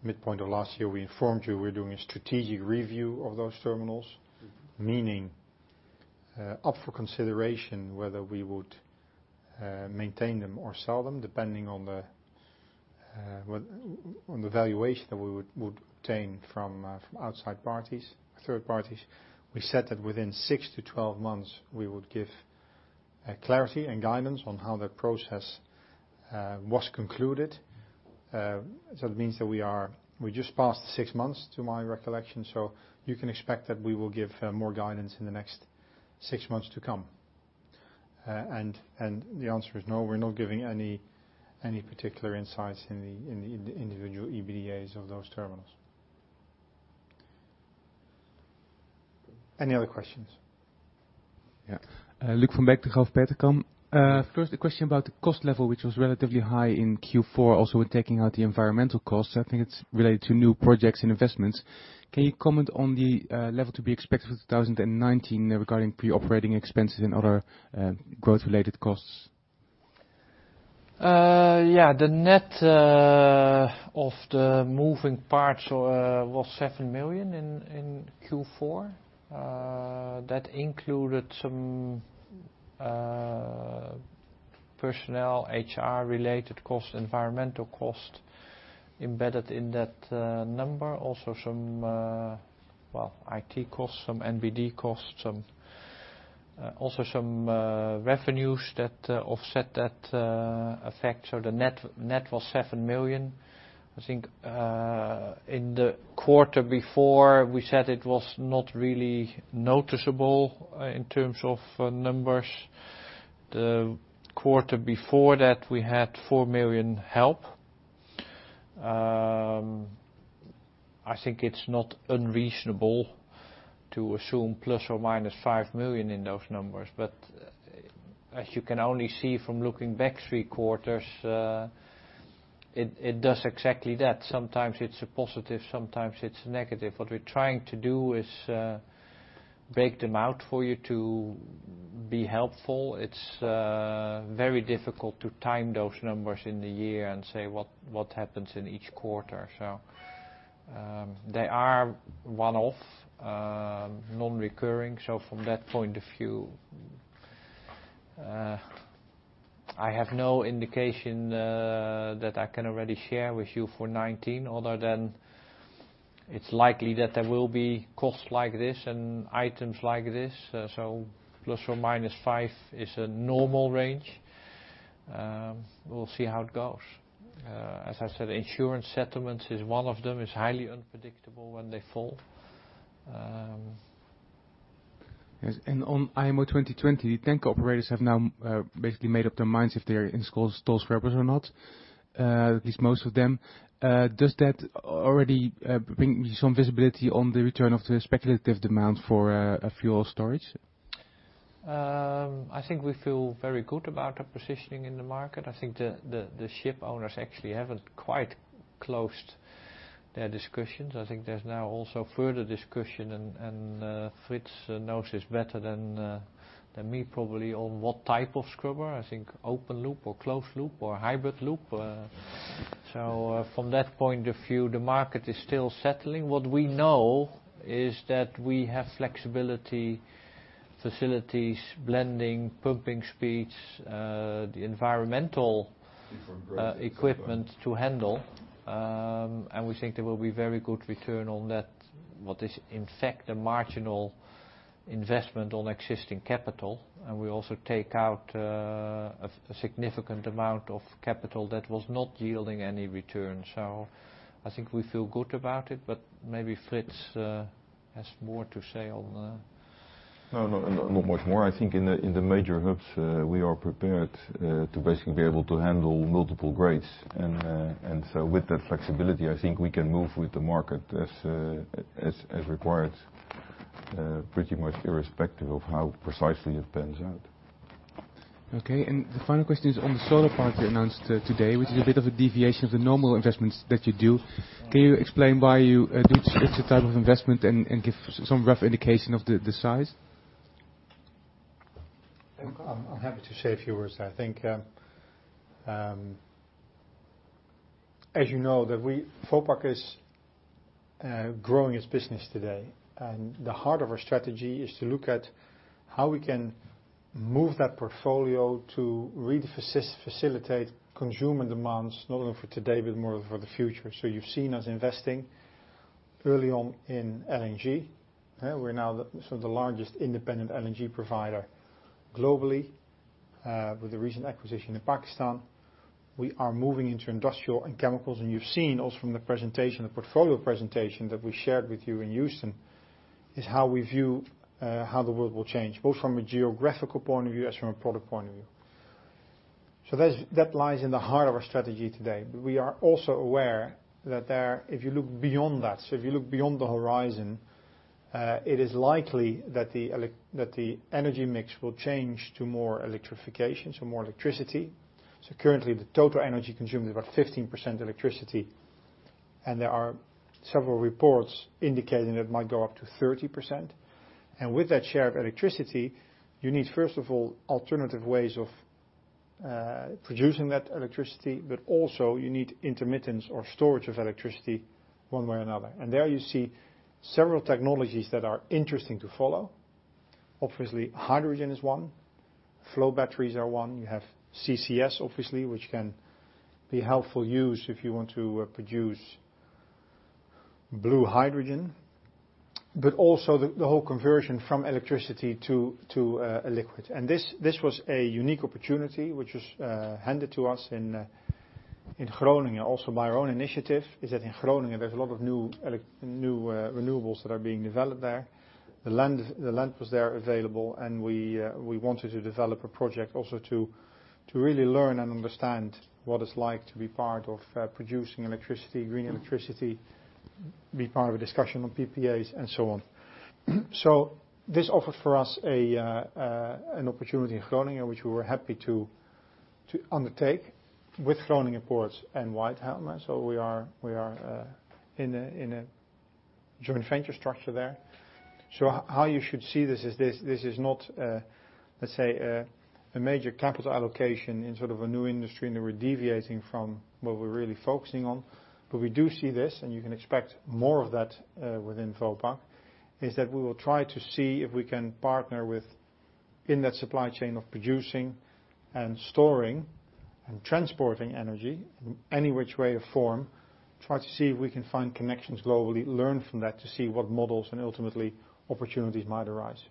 midpoint of last year, we informed you we are doing a strategic review of those terminals, meaning up for consideration whether we would maintain them or sell them, depending on the valuation that we would obtain from outside parties, third parties. We said that within 6-12 months, we would give clarity and guidance on how that process was concluded. That means that we just passed six months, to my recollection. You can expect that we will give more guidance in the next six months to come. The answer is no, we are not giving any particular insights in the individual EBITDAs of those terminals. Any other questions? Yeah. Luuk van Beek, Degroof Petercam. First, a question about the cost level, which was relatively high in Q4, also when taking out the environmental costs. I think it's related to new projects and investments. Can you comment on the level to be expected for 2019 regarding pre-operating expenses and other growth-related costs? The net of the moving parts was 7 million in Q4. That included some personnel, HR-related costs, environmental cost embedded in that number. Also some IT costs, some NBD costs, also some revenues that offset that effect. The net was 7 million. I think in the quarter before, we said it was not really noticeable in terms of numbers. The quarter before that we had 4 million help. I think it's not unreasonable to assume ± 5 million in those numbers. As you can only see from looking back three quarters, it does exactly that. Sometimes it's a positive, sometimes it's a negative. What we're trying to do is break them out for you to be helpful. It's very difficult to time those numbers in the year and say what happens in each quarter. They are one-off, non-recurring. From that point of view, I have no indication that I can already share with you for 2019, other than it's likely that there will be costs like this and items like this. ± 5 is a normal range. We'll see how it goes. As I said, insurance settlements is one of them. It's highly unpredictable when they fall. Yes, on IMO 2020, tank operators have now basically made up their minds if they're installing scrubbers or not, at least most of them. Does that already bring some visibility on the return of the speculative demand for fuel storage? I think we feel very good about our positioning in the market. I think the ship owners actually haven't quite closed their discussions. I think there's now also further discussion and Frits knows this better than me probably, on what type of scrubber. I think open loop or closed loop or hybrid loop. From that point of view, the market is still settling. What we know is that we have flexibility, facilities, blending, pumping speeds, the environmental equipment to handle. We think there will be very good return on that, what is in fact a marginal investment on existing capital. We also take out a significant amount of capital that was not yielding any return. I think we feel good about it, but maybe Frits has more to say on that. No, not much more. I think in the major hubs, we are prepared to basically be able to handle multiple grades. With that flexibility, I think we can move with the market as required, pretty much irrespective of how precisely it pans out. The final question is on the solar park you announced today, which is a bit of a deviation of the normal investments that you do. Can you explain why you did such a type of investment and give some rough indication of the size? I'm happy to say a few words. As you know, Vopak is growing its business today. The heart of our strategy is to look at how we can move that portfolio to really facilitate consumer demands, not only for today, but more for the future. You've seen us investing early on in LNG. We're now the largest independent LNG provider globally with the recent acquisition in Pakistan. We are moving into industrial and chemicals, and you've seen also from the presentation, the portfolio presentation that we shared with you in Houston, is how we view how the world will change, both from a geographical point of view, as from a product point of view. That lies in the heart of our strategy today. We are also aware that if you look beyond that, so if you look beyond the horizon. It is likely that the energy mix will change to more electrification, so more electricity. Currently, the total energy consumed is about 15% electricity, and there are several reports indicating it might go up to 30%. With that share of electricity, you need, first of all, alternative ways of producing that electricity, but also you need intermittence or storage of electricity one way or another. There you see several technologies that are interesting to follow. Obviously, hydrogen is one, flow batteries are one. You have CCS, obviously, which can be a helpful use if you want to produce blue hydrogen. Also the whole conversion from electricity to a liquid. This was a unique opportunity, which was handed to us in Groningen, also by our own initiative, is that in Groningen, there's a lot of new renewables that are being developed there. The land was there available, and we wanted to develop a project also to really learn and understand what it's like to be part of producing electricity, green electricity, be part of a discussion on PPAs and so on. This offered for us an opportunity in Groningen, which we were happy to undertake with Groningen Seaports and WytHalen. We are in a joint venture structure there. How you should see this is this is not, let's say, a major capital allocation in sort of a new industry and that we're deviating from what we're really focusing on. We do see this, and you can expect more of that within Vopak, is that we will try to see if we can partner within that supply chain of producing and storing and transporting energy in any which way or form, try to see if we can find connections globally, learn from that to see what models and ultimately opportunities might arise.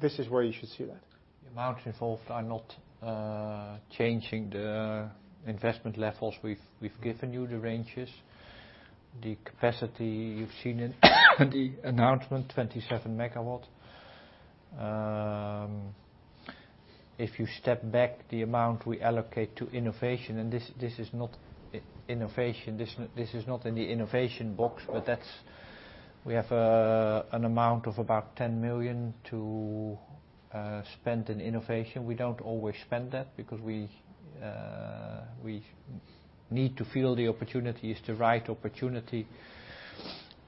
This is where you should see that. The amounts involved are not changing the investment levels. We've given you the ranges, the capacity you've seen in the announcement, 27 MW. If you step back the amount we allocate to innovation, and this is not innovation, this is not in the innovation box, but we have an amount of about 10 million to spend in innovation. We don't always spend that because we need to feel the opportunity is the right opportunity.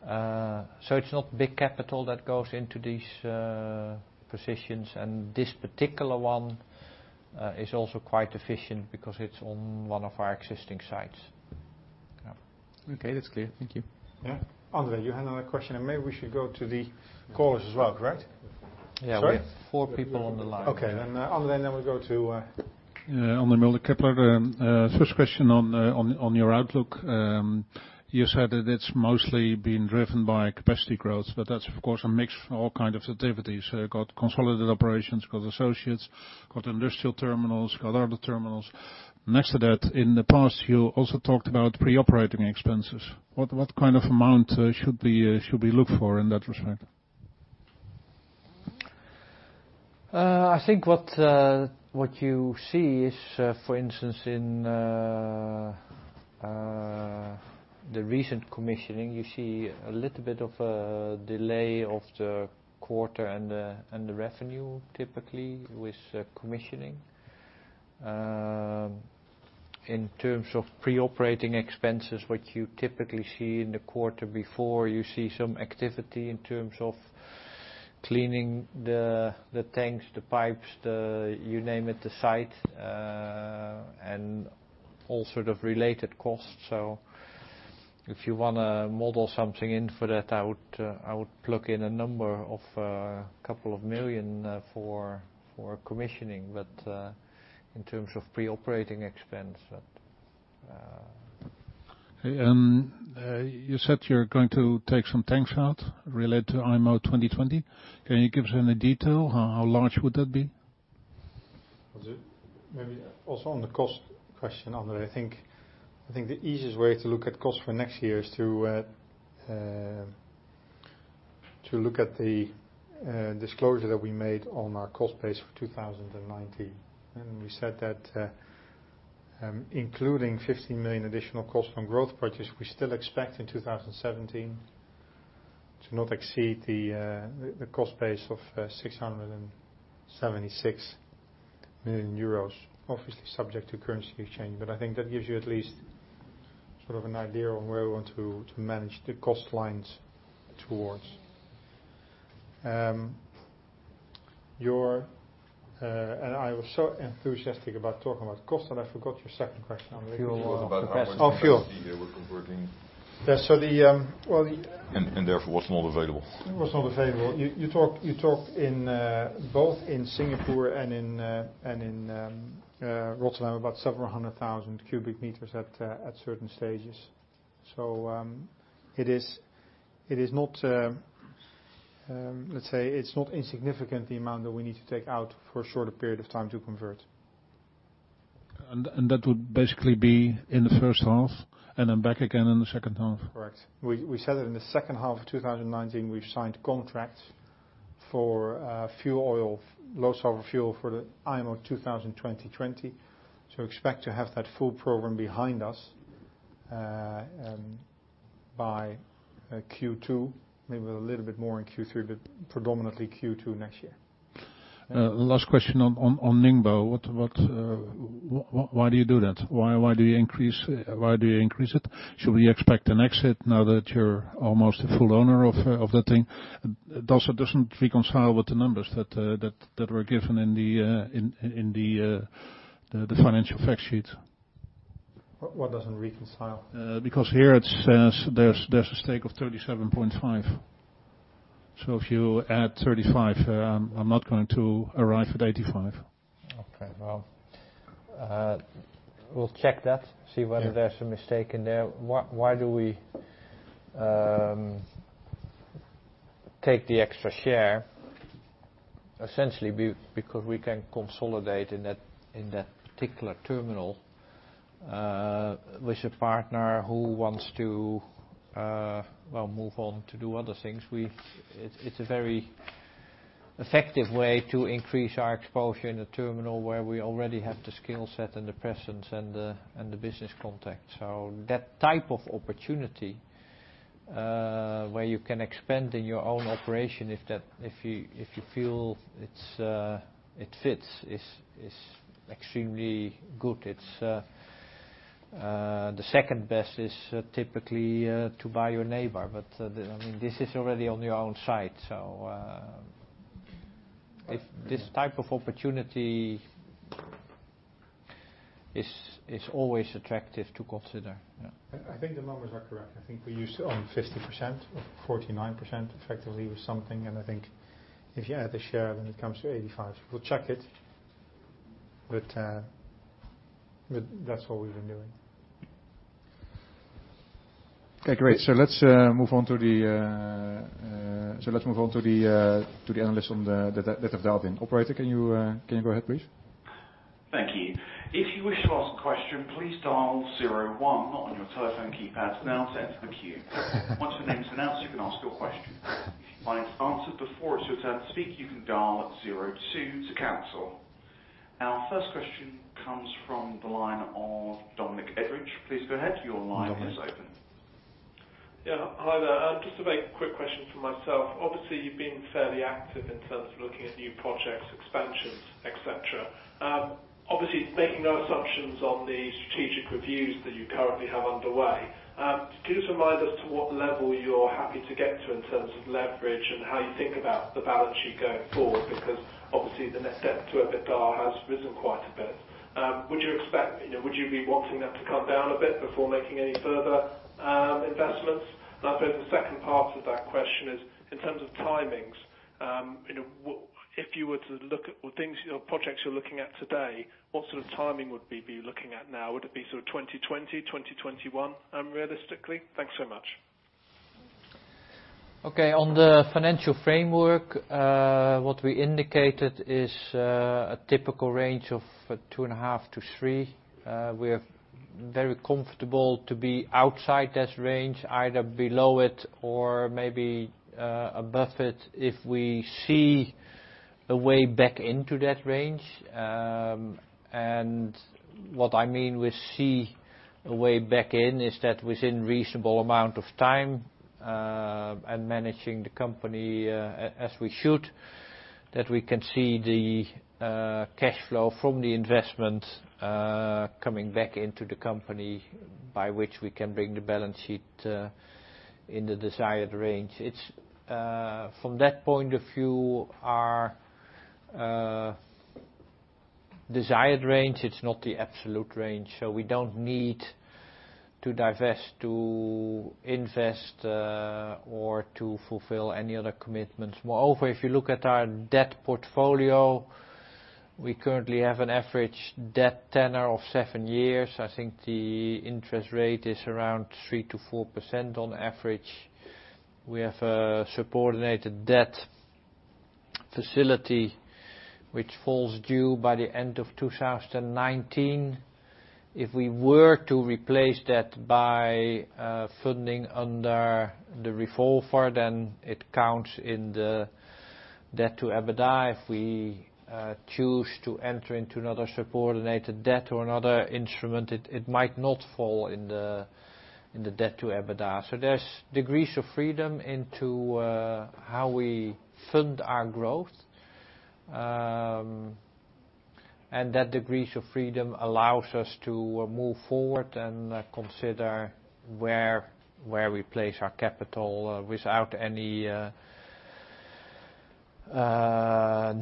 It's not big capital that goes into these positions, and this particular one is also quite efficient because it's on one of our existing sites. That's clear. Thank you. Andre, you had another question, maybe we should go to the callers as well, correct? Sorry? We have four people on the line. Andre, we go to. Andre Mulder, Kepler. First question on your outlook. You said that it's mostly been driven by capacity growth, that's of course a mix of all kinds of activities. You got consolidated operations, got associates, got industrial terminals, got other terminals. Next to that, in the past, you also talked about pre-operating expenses. What kind of amount should we look for in that respect? I think what you see is, for instance, in the recent commissioning, you see a little bit of a delay of the quarter and the revenue typically with commissioning. In terms of pre-operating expenses, what you typically see in the quarter before, you see some activity in terms of cleaning the tanks, the pipes, you name it, the site, and all sort of related costs. If you want to model something in for that, I would look in a number of couple of million for commissioning, but in terms of pre-operating expense. You said you're going to take some tanks out related to IMO 2020. Can you give us any detail? How large would that be? Maybe also on the cost question, Andre, I think the easiest way to look at cost for next year is to look at the disclosure that we made on our cost base for 2019. We said that including 15 million additional cost on growth projects, we still expect in 2017 to not exceed the cost base of 676 million euros, obviously subject to currency change. I think that gives you at least sort of an idea on where we want to manage the cost lines towards. I was so enthusiastic about talking about cost, and I forgot your second question, Andre. It was about how much capacity you were converting. Fuel. Yeah. Therefore, was not available. It was not available. You talked both in Singapore and in Rotterdam about several hundred thousand cubic meters at certain stages. Let's say, it's not insignificant the amount that we need to take out for a shorter period of time to convert. That would basically be in the first half and then back again in the second half? Correct. We said it in the second half of 2019, we've signed contracts For fuel oil, low sulfur fuel for the IMO 2020. Expect to have that full program behind us, and by Q2, maybe a little bit more in Q3, but predominantly Q2 next year. Last question on Ningbo. Why do you do that? Why do you increase it? Should we expect an exit now that you're almost a full owner of that thing? It also doesn't reconcile with the numbers that were given in the financial fact sheet. What doesn't reconcile? Here it says there's a stake of 37.5. If you add 35, I'm not going to arrive at 85. Okay. Well, we'll check that, see whether there's a mistake in there. Why do we take the extra share? Essentially, because we can consolidate in that particular terminal, with a partner who wants to move on to do other things. It's a very effective way to increase our exposure in the terminal where we already have the skill set and the presence and the business contact. That type of opportunity, where you can expand in your own operation if you feel it fits is extremely good. The second best is typically, to buy your neighbor. This is already on your own site, so this type of opportunity is always attractive to consider. I think the numbers are correct. I think we used to own 50% or 49% effectively or something. I think if you add the share, then it comes to 85. We'll check it. That's what we've been doing. Okay, great. Let's move on to the analysts that have dialed in. Operator, can you go ahead, please? Thank you. If you wish to ask a question, please dial zero one on your telephone keypads. Now sent to the queue. Once your name's announced, you can ask your question. If your line's answered before it's your turn to speak, you can dial zero two to cancel. Our first question comes from the line of Dominic Edgeridge. Please go ahead. Your line is open. Yeah. Hi there. Just a very quick question from myself. Obviously, you've been fairly active in terms of looking at new projects, expansions, et cetera. Obviously, making no assumptions on the strategic reviews that you currently have underway, can you just remind us to what level you're happy to get to in terms of leverage and how you think about the balance sheet going forward? Because obviously the net debt to EBITDA has risen quite a bit. Would you be wanting that to come down a bit before making any further investments? I suppose the second part of that question is, in terms of timings, if you were to look at things, projects you're looking at today, what sort of timing would we be looking at now? Would it be sort of 2020, 2021 realistically? Thanks so much. Okay. On the financial framework, what we indicated is a typical range of 2.5%-3%. We're very comfortable to be outside that range, either below it or maybe above it if we see a way back into that range. What I mean we see a way back in, is that within reasonable amount of time, and managing the company as we should, that we can see the cash flow from the investment coming back into the company by which we can bring the balance sheet in the desired range. From that point of view, our desired range, it's not the absolute range, so we don't need to divest to invest, or to fulfill any other commitments. Moreover, if you look at our debt portfolio, we currently have an average debt tenor of seven years. I think the interest rate is around 3%-4% on average. We have a subordinated debt facility which falls due by the end of 2019. If we were to replace that by funding under the revolver, then it counts in the debt to EBITDA. If we choose to enter into another subordinated debt or another instrument, it might not fall in the debt to EBITDA. There's degrees of freedom into how we fund our growth. That degrees of freedom allows us to move forward and consider where we place our capital without any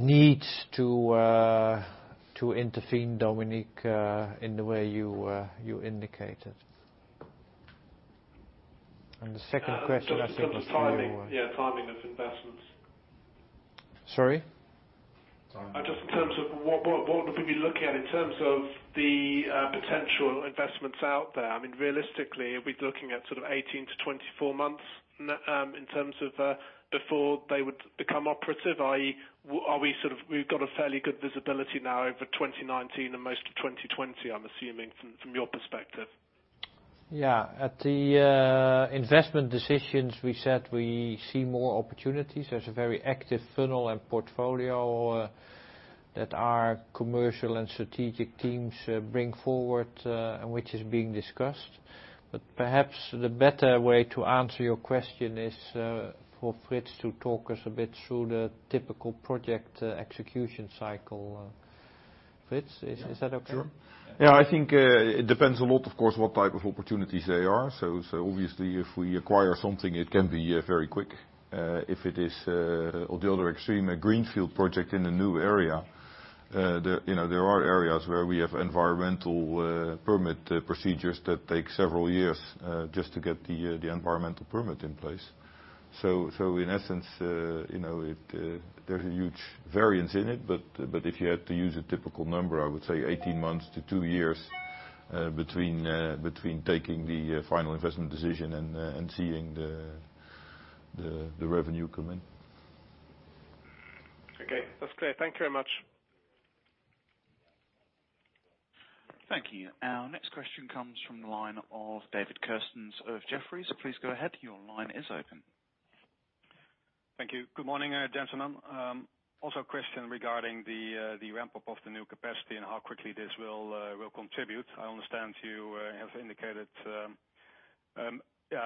needs to intervene, Dominic, in the way you indicated. The second question I think was. Just the timing. Yeah, timing of investments. Sorry? Just in terms of what would we be looking at in terms of the potential investments out there? I mean, realistically, are we looking at sort of 18-24 months in terms of before they would become operative, i.e., we've got a fairly good visibility now over 2019 and most of 2020, I'm assuming from your perspective? Yeah. At the investment decisions, we said we see more opportunities. There's a very active funnel and portfolio that our commercial and strategic teams bring forward, and which is being discussed. Perhaps the better way to answer your question is for Frits to talk us a bit through the typical project execution cycle. Frits, is that okay? Sure. Yeah, I think it depends a lot, of course, what type of opportunities they are. Obviously if we acquire something, it can be very quick. If it is on the other extreme, a greenfield project in a new area, there are areas where we have environmental permit procedures that take several years, just to get the environmental permit in place. In essence, there's a huge variance in it. If you had to use a typical number, I would say 18 months to two years between taking the final investment decision and seeing the revenue come in. Okay. That's clear. Thank you very much. Thank you. Our next question comes from the line of David Kerstens of Jefferies. Please go ahead, your line is open. Thank you. Good morning, gentlemen. Also a question regarding the ramp-up of the new capacity and how quickly this will contribute. I understand you have indicated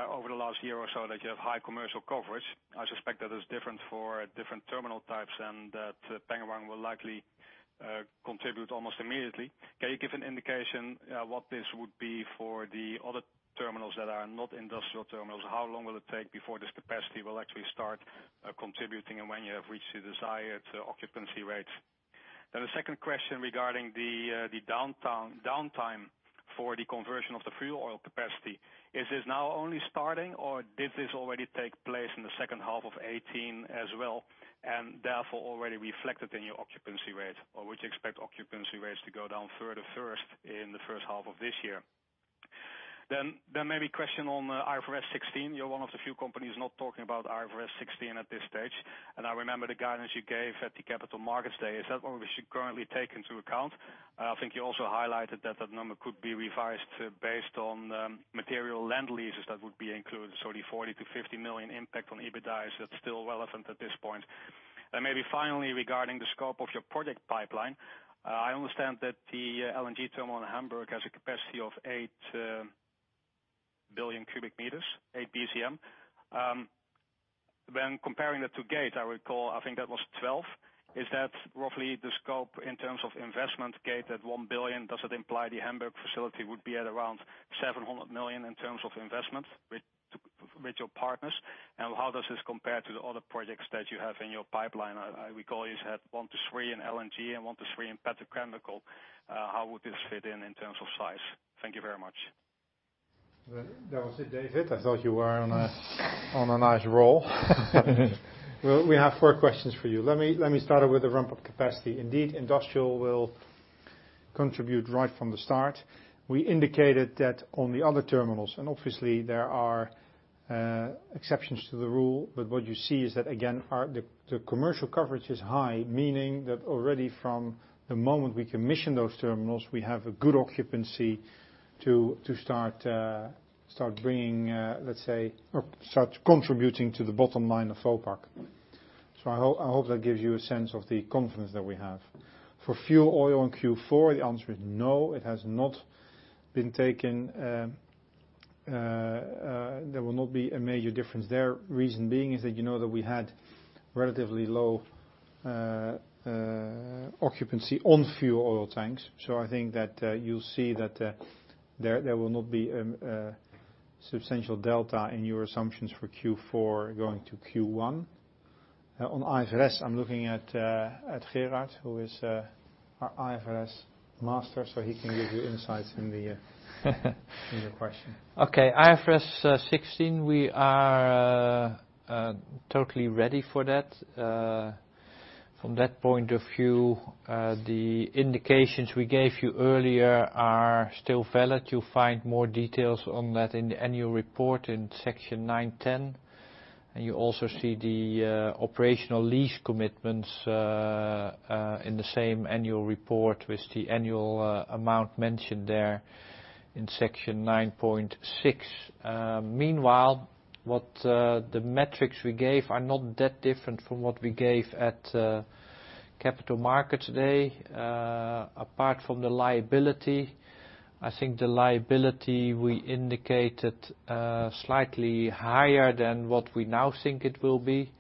over the last year or so that you have high commercial coverage. I suspect that is different for different terminal types and that Pengerang will likely contribute almost immediately. Can you give an indication what this would be for the other terminals that are not industrial terminals? How long will it take before this capacity will actually start contributing, and when you have reached your desired occupancy rates? The second question regarding the downtime for the conversion of the fuel oil capacity. Is this now only starting, or did this already take place in the second half of 2018 as well, and therefore already reflected in your occupancy rate? Would you expect occupancy rates to go down further first in the first half of this year? Maybe a question on IFRS 16. You're one of the few companies not talking about IFRS 16 at this stage, and I remember the guidance you gave at the Capital Markets Day. Is that what we should currently take into account? I think you also highlighted that that number could be revised based on material land leases that would be included, so the 40 million-50 million impact on EBITDA, is that still relevant at this point? Maybe finally, regarding the scope of your project pipeline, I understand that the LNG terminal in Hamburg has a capacity of 8 billion m³, 8 BCM. When comparing that to Gate, I recall, I think that was 12. Is that roughly the scope in terms of investment, Gate at 1 billion? Does it imply the Hamburg facility would be at around 700 million in terms of investment with your partners, and how does this compare to the other projects that you have in your pipeline? I recall you said one to three in LNG and one to three in petrochemical. How would this fit in terms of size? Thank you very much. That was it, David? I thought you were on a nice roll. We have four questions for you. Let me start out with the ramp-up capacity. Indeed, industrial will contribute right from the start. We indicated that on the other terminals, and obviously there are exceptions to the rule, but what you see is that again, the commercial coverage is high, meaning that already from the moment we commission those terminals, we have a good occupancy to start contributing to the bottom line of Vopak. I hope that gives you a sense of the confidence that we have. For fuel oil in Q4, the answer is no, it has not been taken. There will not be a major difference there. Reason being is that you know that we had relatively low occupancy on fuel oil tanks. I think that you'll see that there will not be a substantial delta in your assumptions for Q4 going to Q1. On IFRS, I'm looking at Gerard, who is our IFRS master. He can give you insights in your question. IFRS 16, we are totally ready for that. From that point of view, the indications we gave you earlier are still valid. You'll find more details on that in the annual report in Section 9.10, and you also see the operational lease commitments in the same annual report with the annual amount mentioned there in Section 9.6. Meanwhile, what the metrics we gave are not that different from what we gave at Capital Markets Day, apart from the liability. I think the liability we indicated slightly higher than what we now think it will be.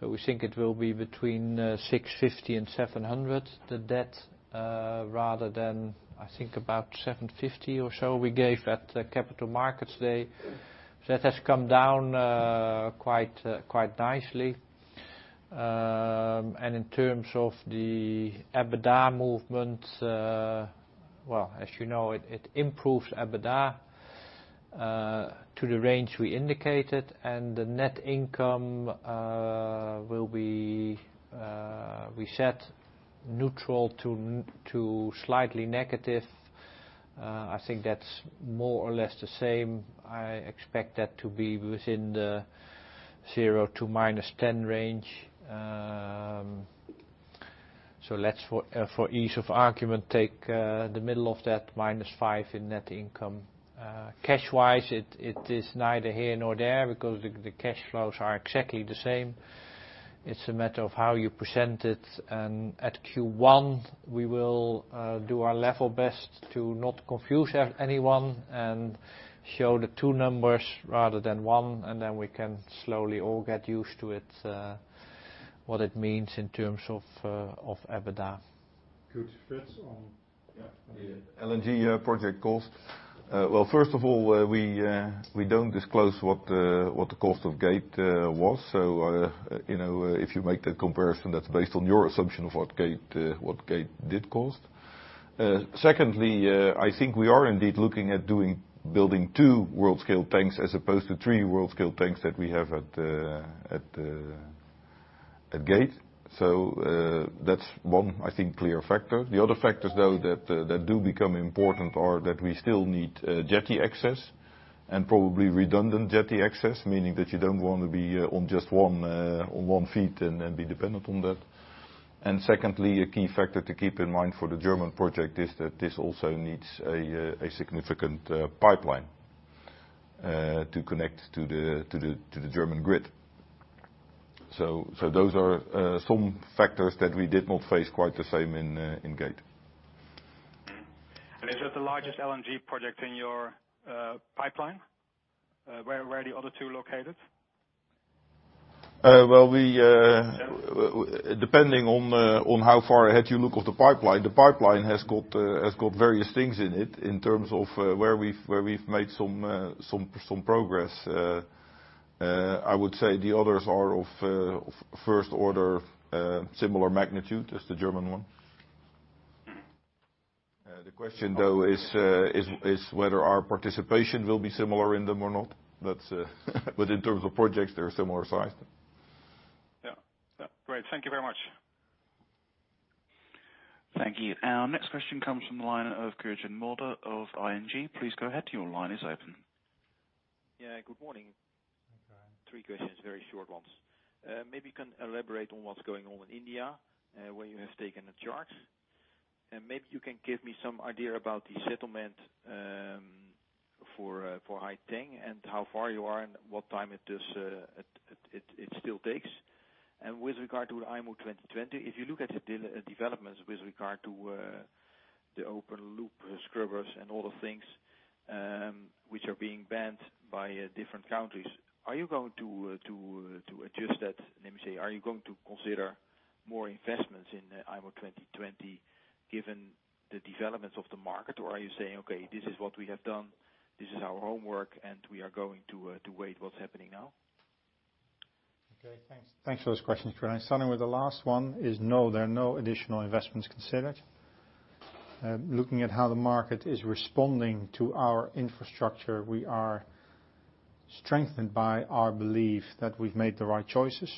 We think it will be between 650 and 700, the debt, rather than I think about 750 or so we gave at the Capital Markets Day. That has come down quite nicely. In terms of the EBITDA movement, well, as you know, it improves EBITDA to the range we indicated. The net income will be, we said neutral to slightly negative. I think that's more or less the same. I expect that to be within the 0 to -10 range. Let's for ease of argument, take the middle of that -5 in net income. Cash-wise, it is neither here nor there because the cash flows are exactly the same. It's a matter of how you present it. At Q1 we will do our level best to not confuse anyone and show the two numbers rather than one, then we can slowly all get used to what it means in terms of EBITDA. Good. Frits? LNG project cost. First of all, we don't disclose what the cost of Gate was. If you make the comparison that's based on your assumption of what Gate did cost. Secondly, I think we are indeed looking at building two world-scale tanks as opposed to three world-scale tanks that we have at Gate. That's one, I think, clear factor. The other factors, though, that do become important are that we still need jetty access and probably redundant jetty access, meaning that you don't want to be on just 1 foot and be dependent on that. Secondly, a key factor to keep in mind for the German project is that this also needs a significant pipeline to connect to the German grid. Those are some factors that we did not face quite the same in Gate. Is that the largest LNG project in your pipeline? Where are the other two located? Depending on how far ahead you look of the pipeline, the pipeline has got various things in it in terms of where we've made some progress. I would say the others are of first order, similar magnitude as the German one. The question though is whether our participation will be similar in them or not. In terms of projects, they're similar sized. Yeah. Great. Thank you very much. Thank you. Our next question comes from the line of Geert-Jan Mulder of ING. Please go ahead. Your line is open. Yeah, good morning. Hi. Three questions, very short ones. Maybe you can elaborate on what's going on in India, where you have taken a charge. Maybe you can give me some idea about the settlement for Haiteng and how far you are and what time it still takes. With regard to IMO 2020, if you look at the developments with regard to the open loop scrubbers and all the things which are being banned by different countries, are you going to adjust that? Let me say, are you going to consider more investments in IMO 2020 given the developments of the market? Are you saying, okay, this is what we have done, this is our homework, and we are going to wait what's happening now? Okay. Thanks for those questions, Geert-Jan. Starting with the last one is no, there are no additional investments considered. Looking at how the market is responding to our infrastructure, we are strengthened by our belief that we've made the right choices.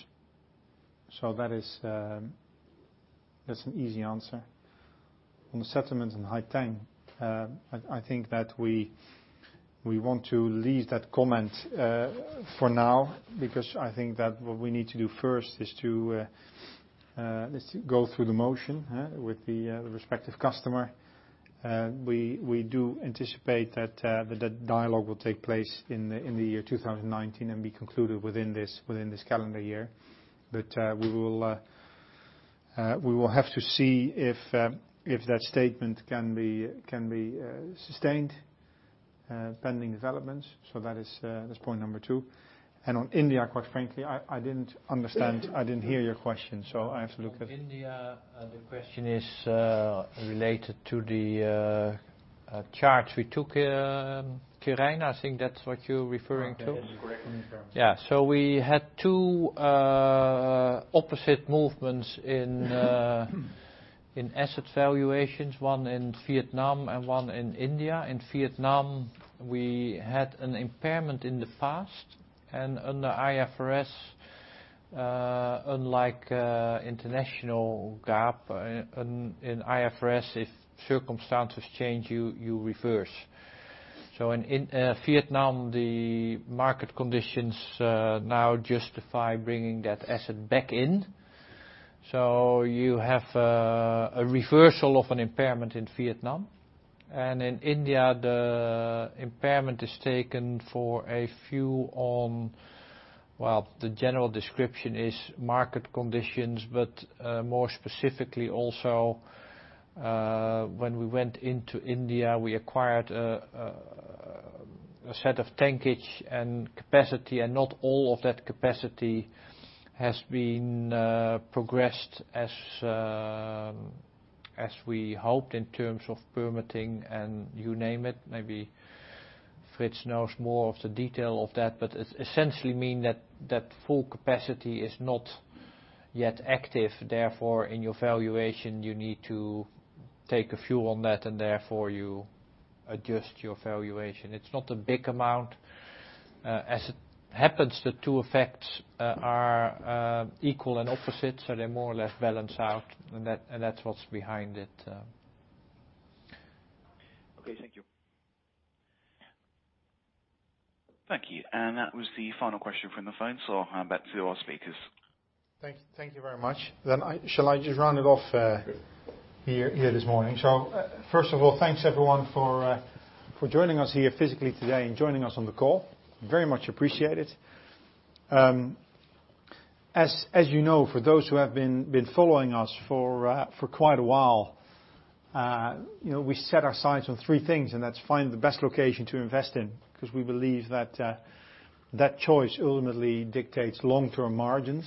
That's an easy answer. On the settlement in Haiteng, I think that we want to leave that comment for now because I think that what we need to do first is to go through the motion with the respective customer. We do anticipate that the dialogue will take place in the year 2019 and be concluded within this calendar year. We will have to see if that statement can be sustained, pending developments. That is point number two. On India, quite frankly, I didn't understand. I didn't hear your question, I have to look at. On India, the question is related to the charge we took, Geert-Jan, I think that's what you're referring to? That is correct. We had two opposite movements in asset valuations, one in Vietnam and one in India. In Vietnam, we had an impairment in the past and under IFRS, unlike International GAAP, in IFRS, if circumstances change you reverse. In Vietnam, the market conditions now justify bringing that asset back in. You have a reversal of an impairment in Vietnam. In India, the impairment is taken for a few on, well, the general description is market conditions, but more specifically also when we went into India, we acquired a set of tankage and capacity, and not all of that capacity has been progressed as we hoped in terms of permitting and you name it. Maybe Frits knows more of the detail of that. It essentially mean that full capacity is not yet active. Therefore, in your valuation, you need to take a few on that and therefore you adjust your valuation. It's not a big amount. As it happens, the two effects are equal and opposite, so they more or less balance out and that's what's behind it. Okay. Thank you. Thank you. That was the final question from the phone, so I'll hand back to our speakers. Thank you very much. Shall I just round it off here this morning? First of all, thanks, everyone, for joining us here physically today and joining us on the call. Very much appreciate it. As you know, for those who have been following us for quite a while, we set our sights on three things, that's find the best location to invest in, because we believe that choice ultimately dictates long-term margins,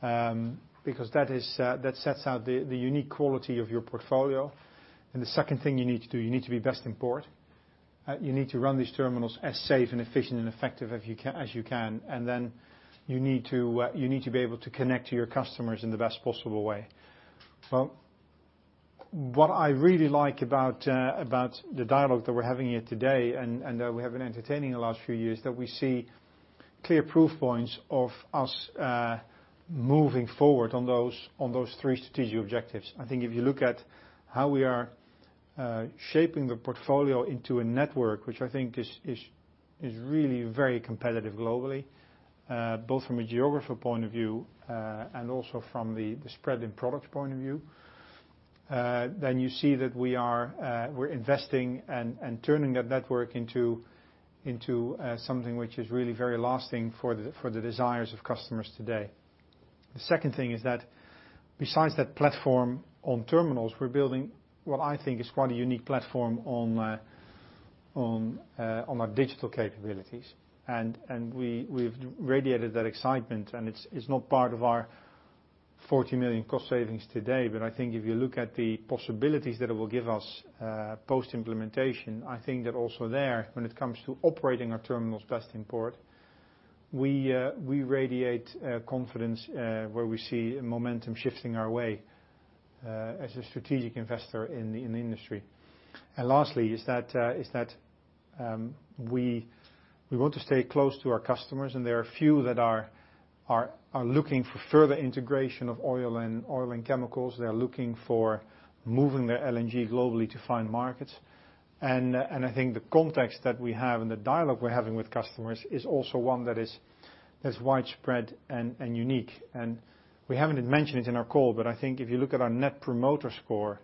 because that sets out the unique quality of your portfolio. The second thing you need to do, you need to be best in port. You need to run these terminals as safe and efficient and effective as you can. Then you need to be able to connect to your customers in the best possible way. What I really like about the dialogue that we're having here today, that we have been entertaining the last few years, that we see clear proof points of us moving forward on those three strategic objectives. I think if you look at how we are shaping the portfolio into a network, which I think is really very competitive globally, both from a geography point of view, also from the spread in products point of view, then you see that we're investing and turning that network into something which is really very lasting for the desires of customers today. The second thing is that besides that platform on terminals, we're building what I think is quite a unique platform on our digital capabilities. We've radiated that excitement, it's not part of our 40 million cost savings today, but I think if you look at the possibilities that it will give us post-implementation, I think that also there, when it comes to operating our terminals best in port, we radiate confidence where we see momentum shifting our way as a strategic investor in the industry. Lastly is that we want to stay close to our customers, there are a few that are looking for further integration of oil and chemicals. They are looking for moving their LNG globally to find markets. I think the context that we have and the dialogue we're having with customers is also one that is widespread and unique. We haven't mentioned it in our call, but I think if you look at our Net Promoter Score,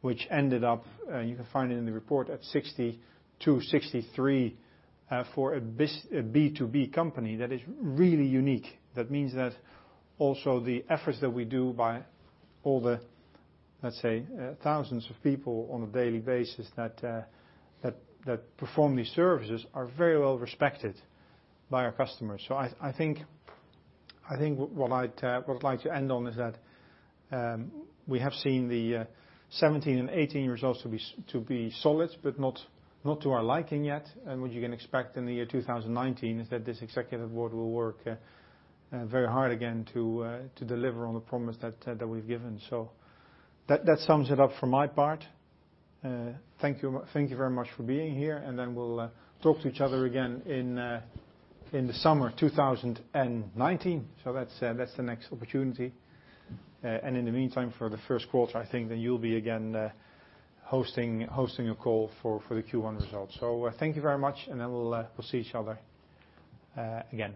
which ended up, you can find it in the report, at 62-63 for a B2B company. That is really unique. That means that also the efforts that we do by all the, let's say, thousands of people on a daily basis that perform these services are very well respected by our customers. I think what I'd like to end on is that we have seen the 2017 and 2018 results to be solid, but not to our liking yet. What you can expect in the year 2019 is that this Executive Board will work very hard again to deliver on the promise that we've given. That sums it up for my part. Thank you very much for being here. We'll talk to each other again in the summer 2019. That's the next opportunity. In the meantime, for the first quarter, I think that you'll be again hosting a call for the Q1 results. Thank you very much. We'll see each other again.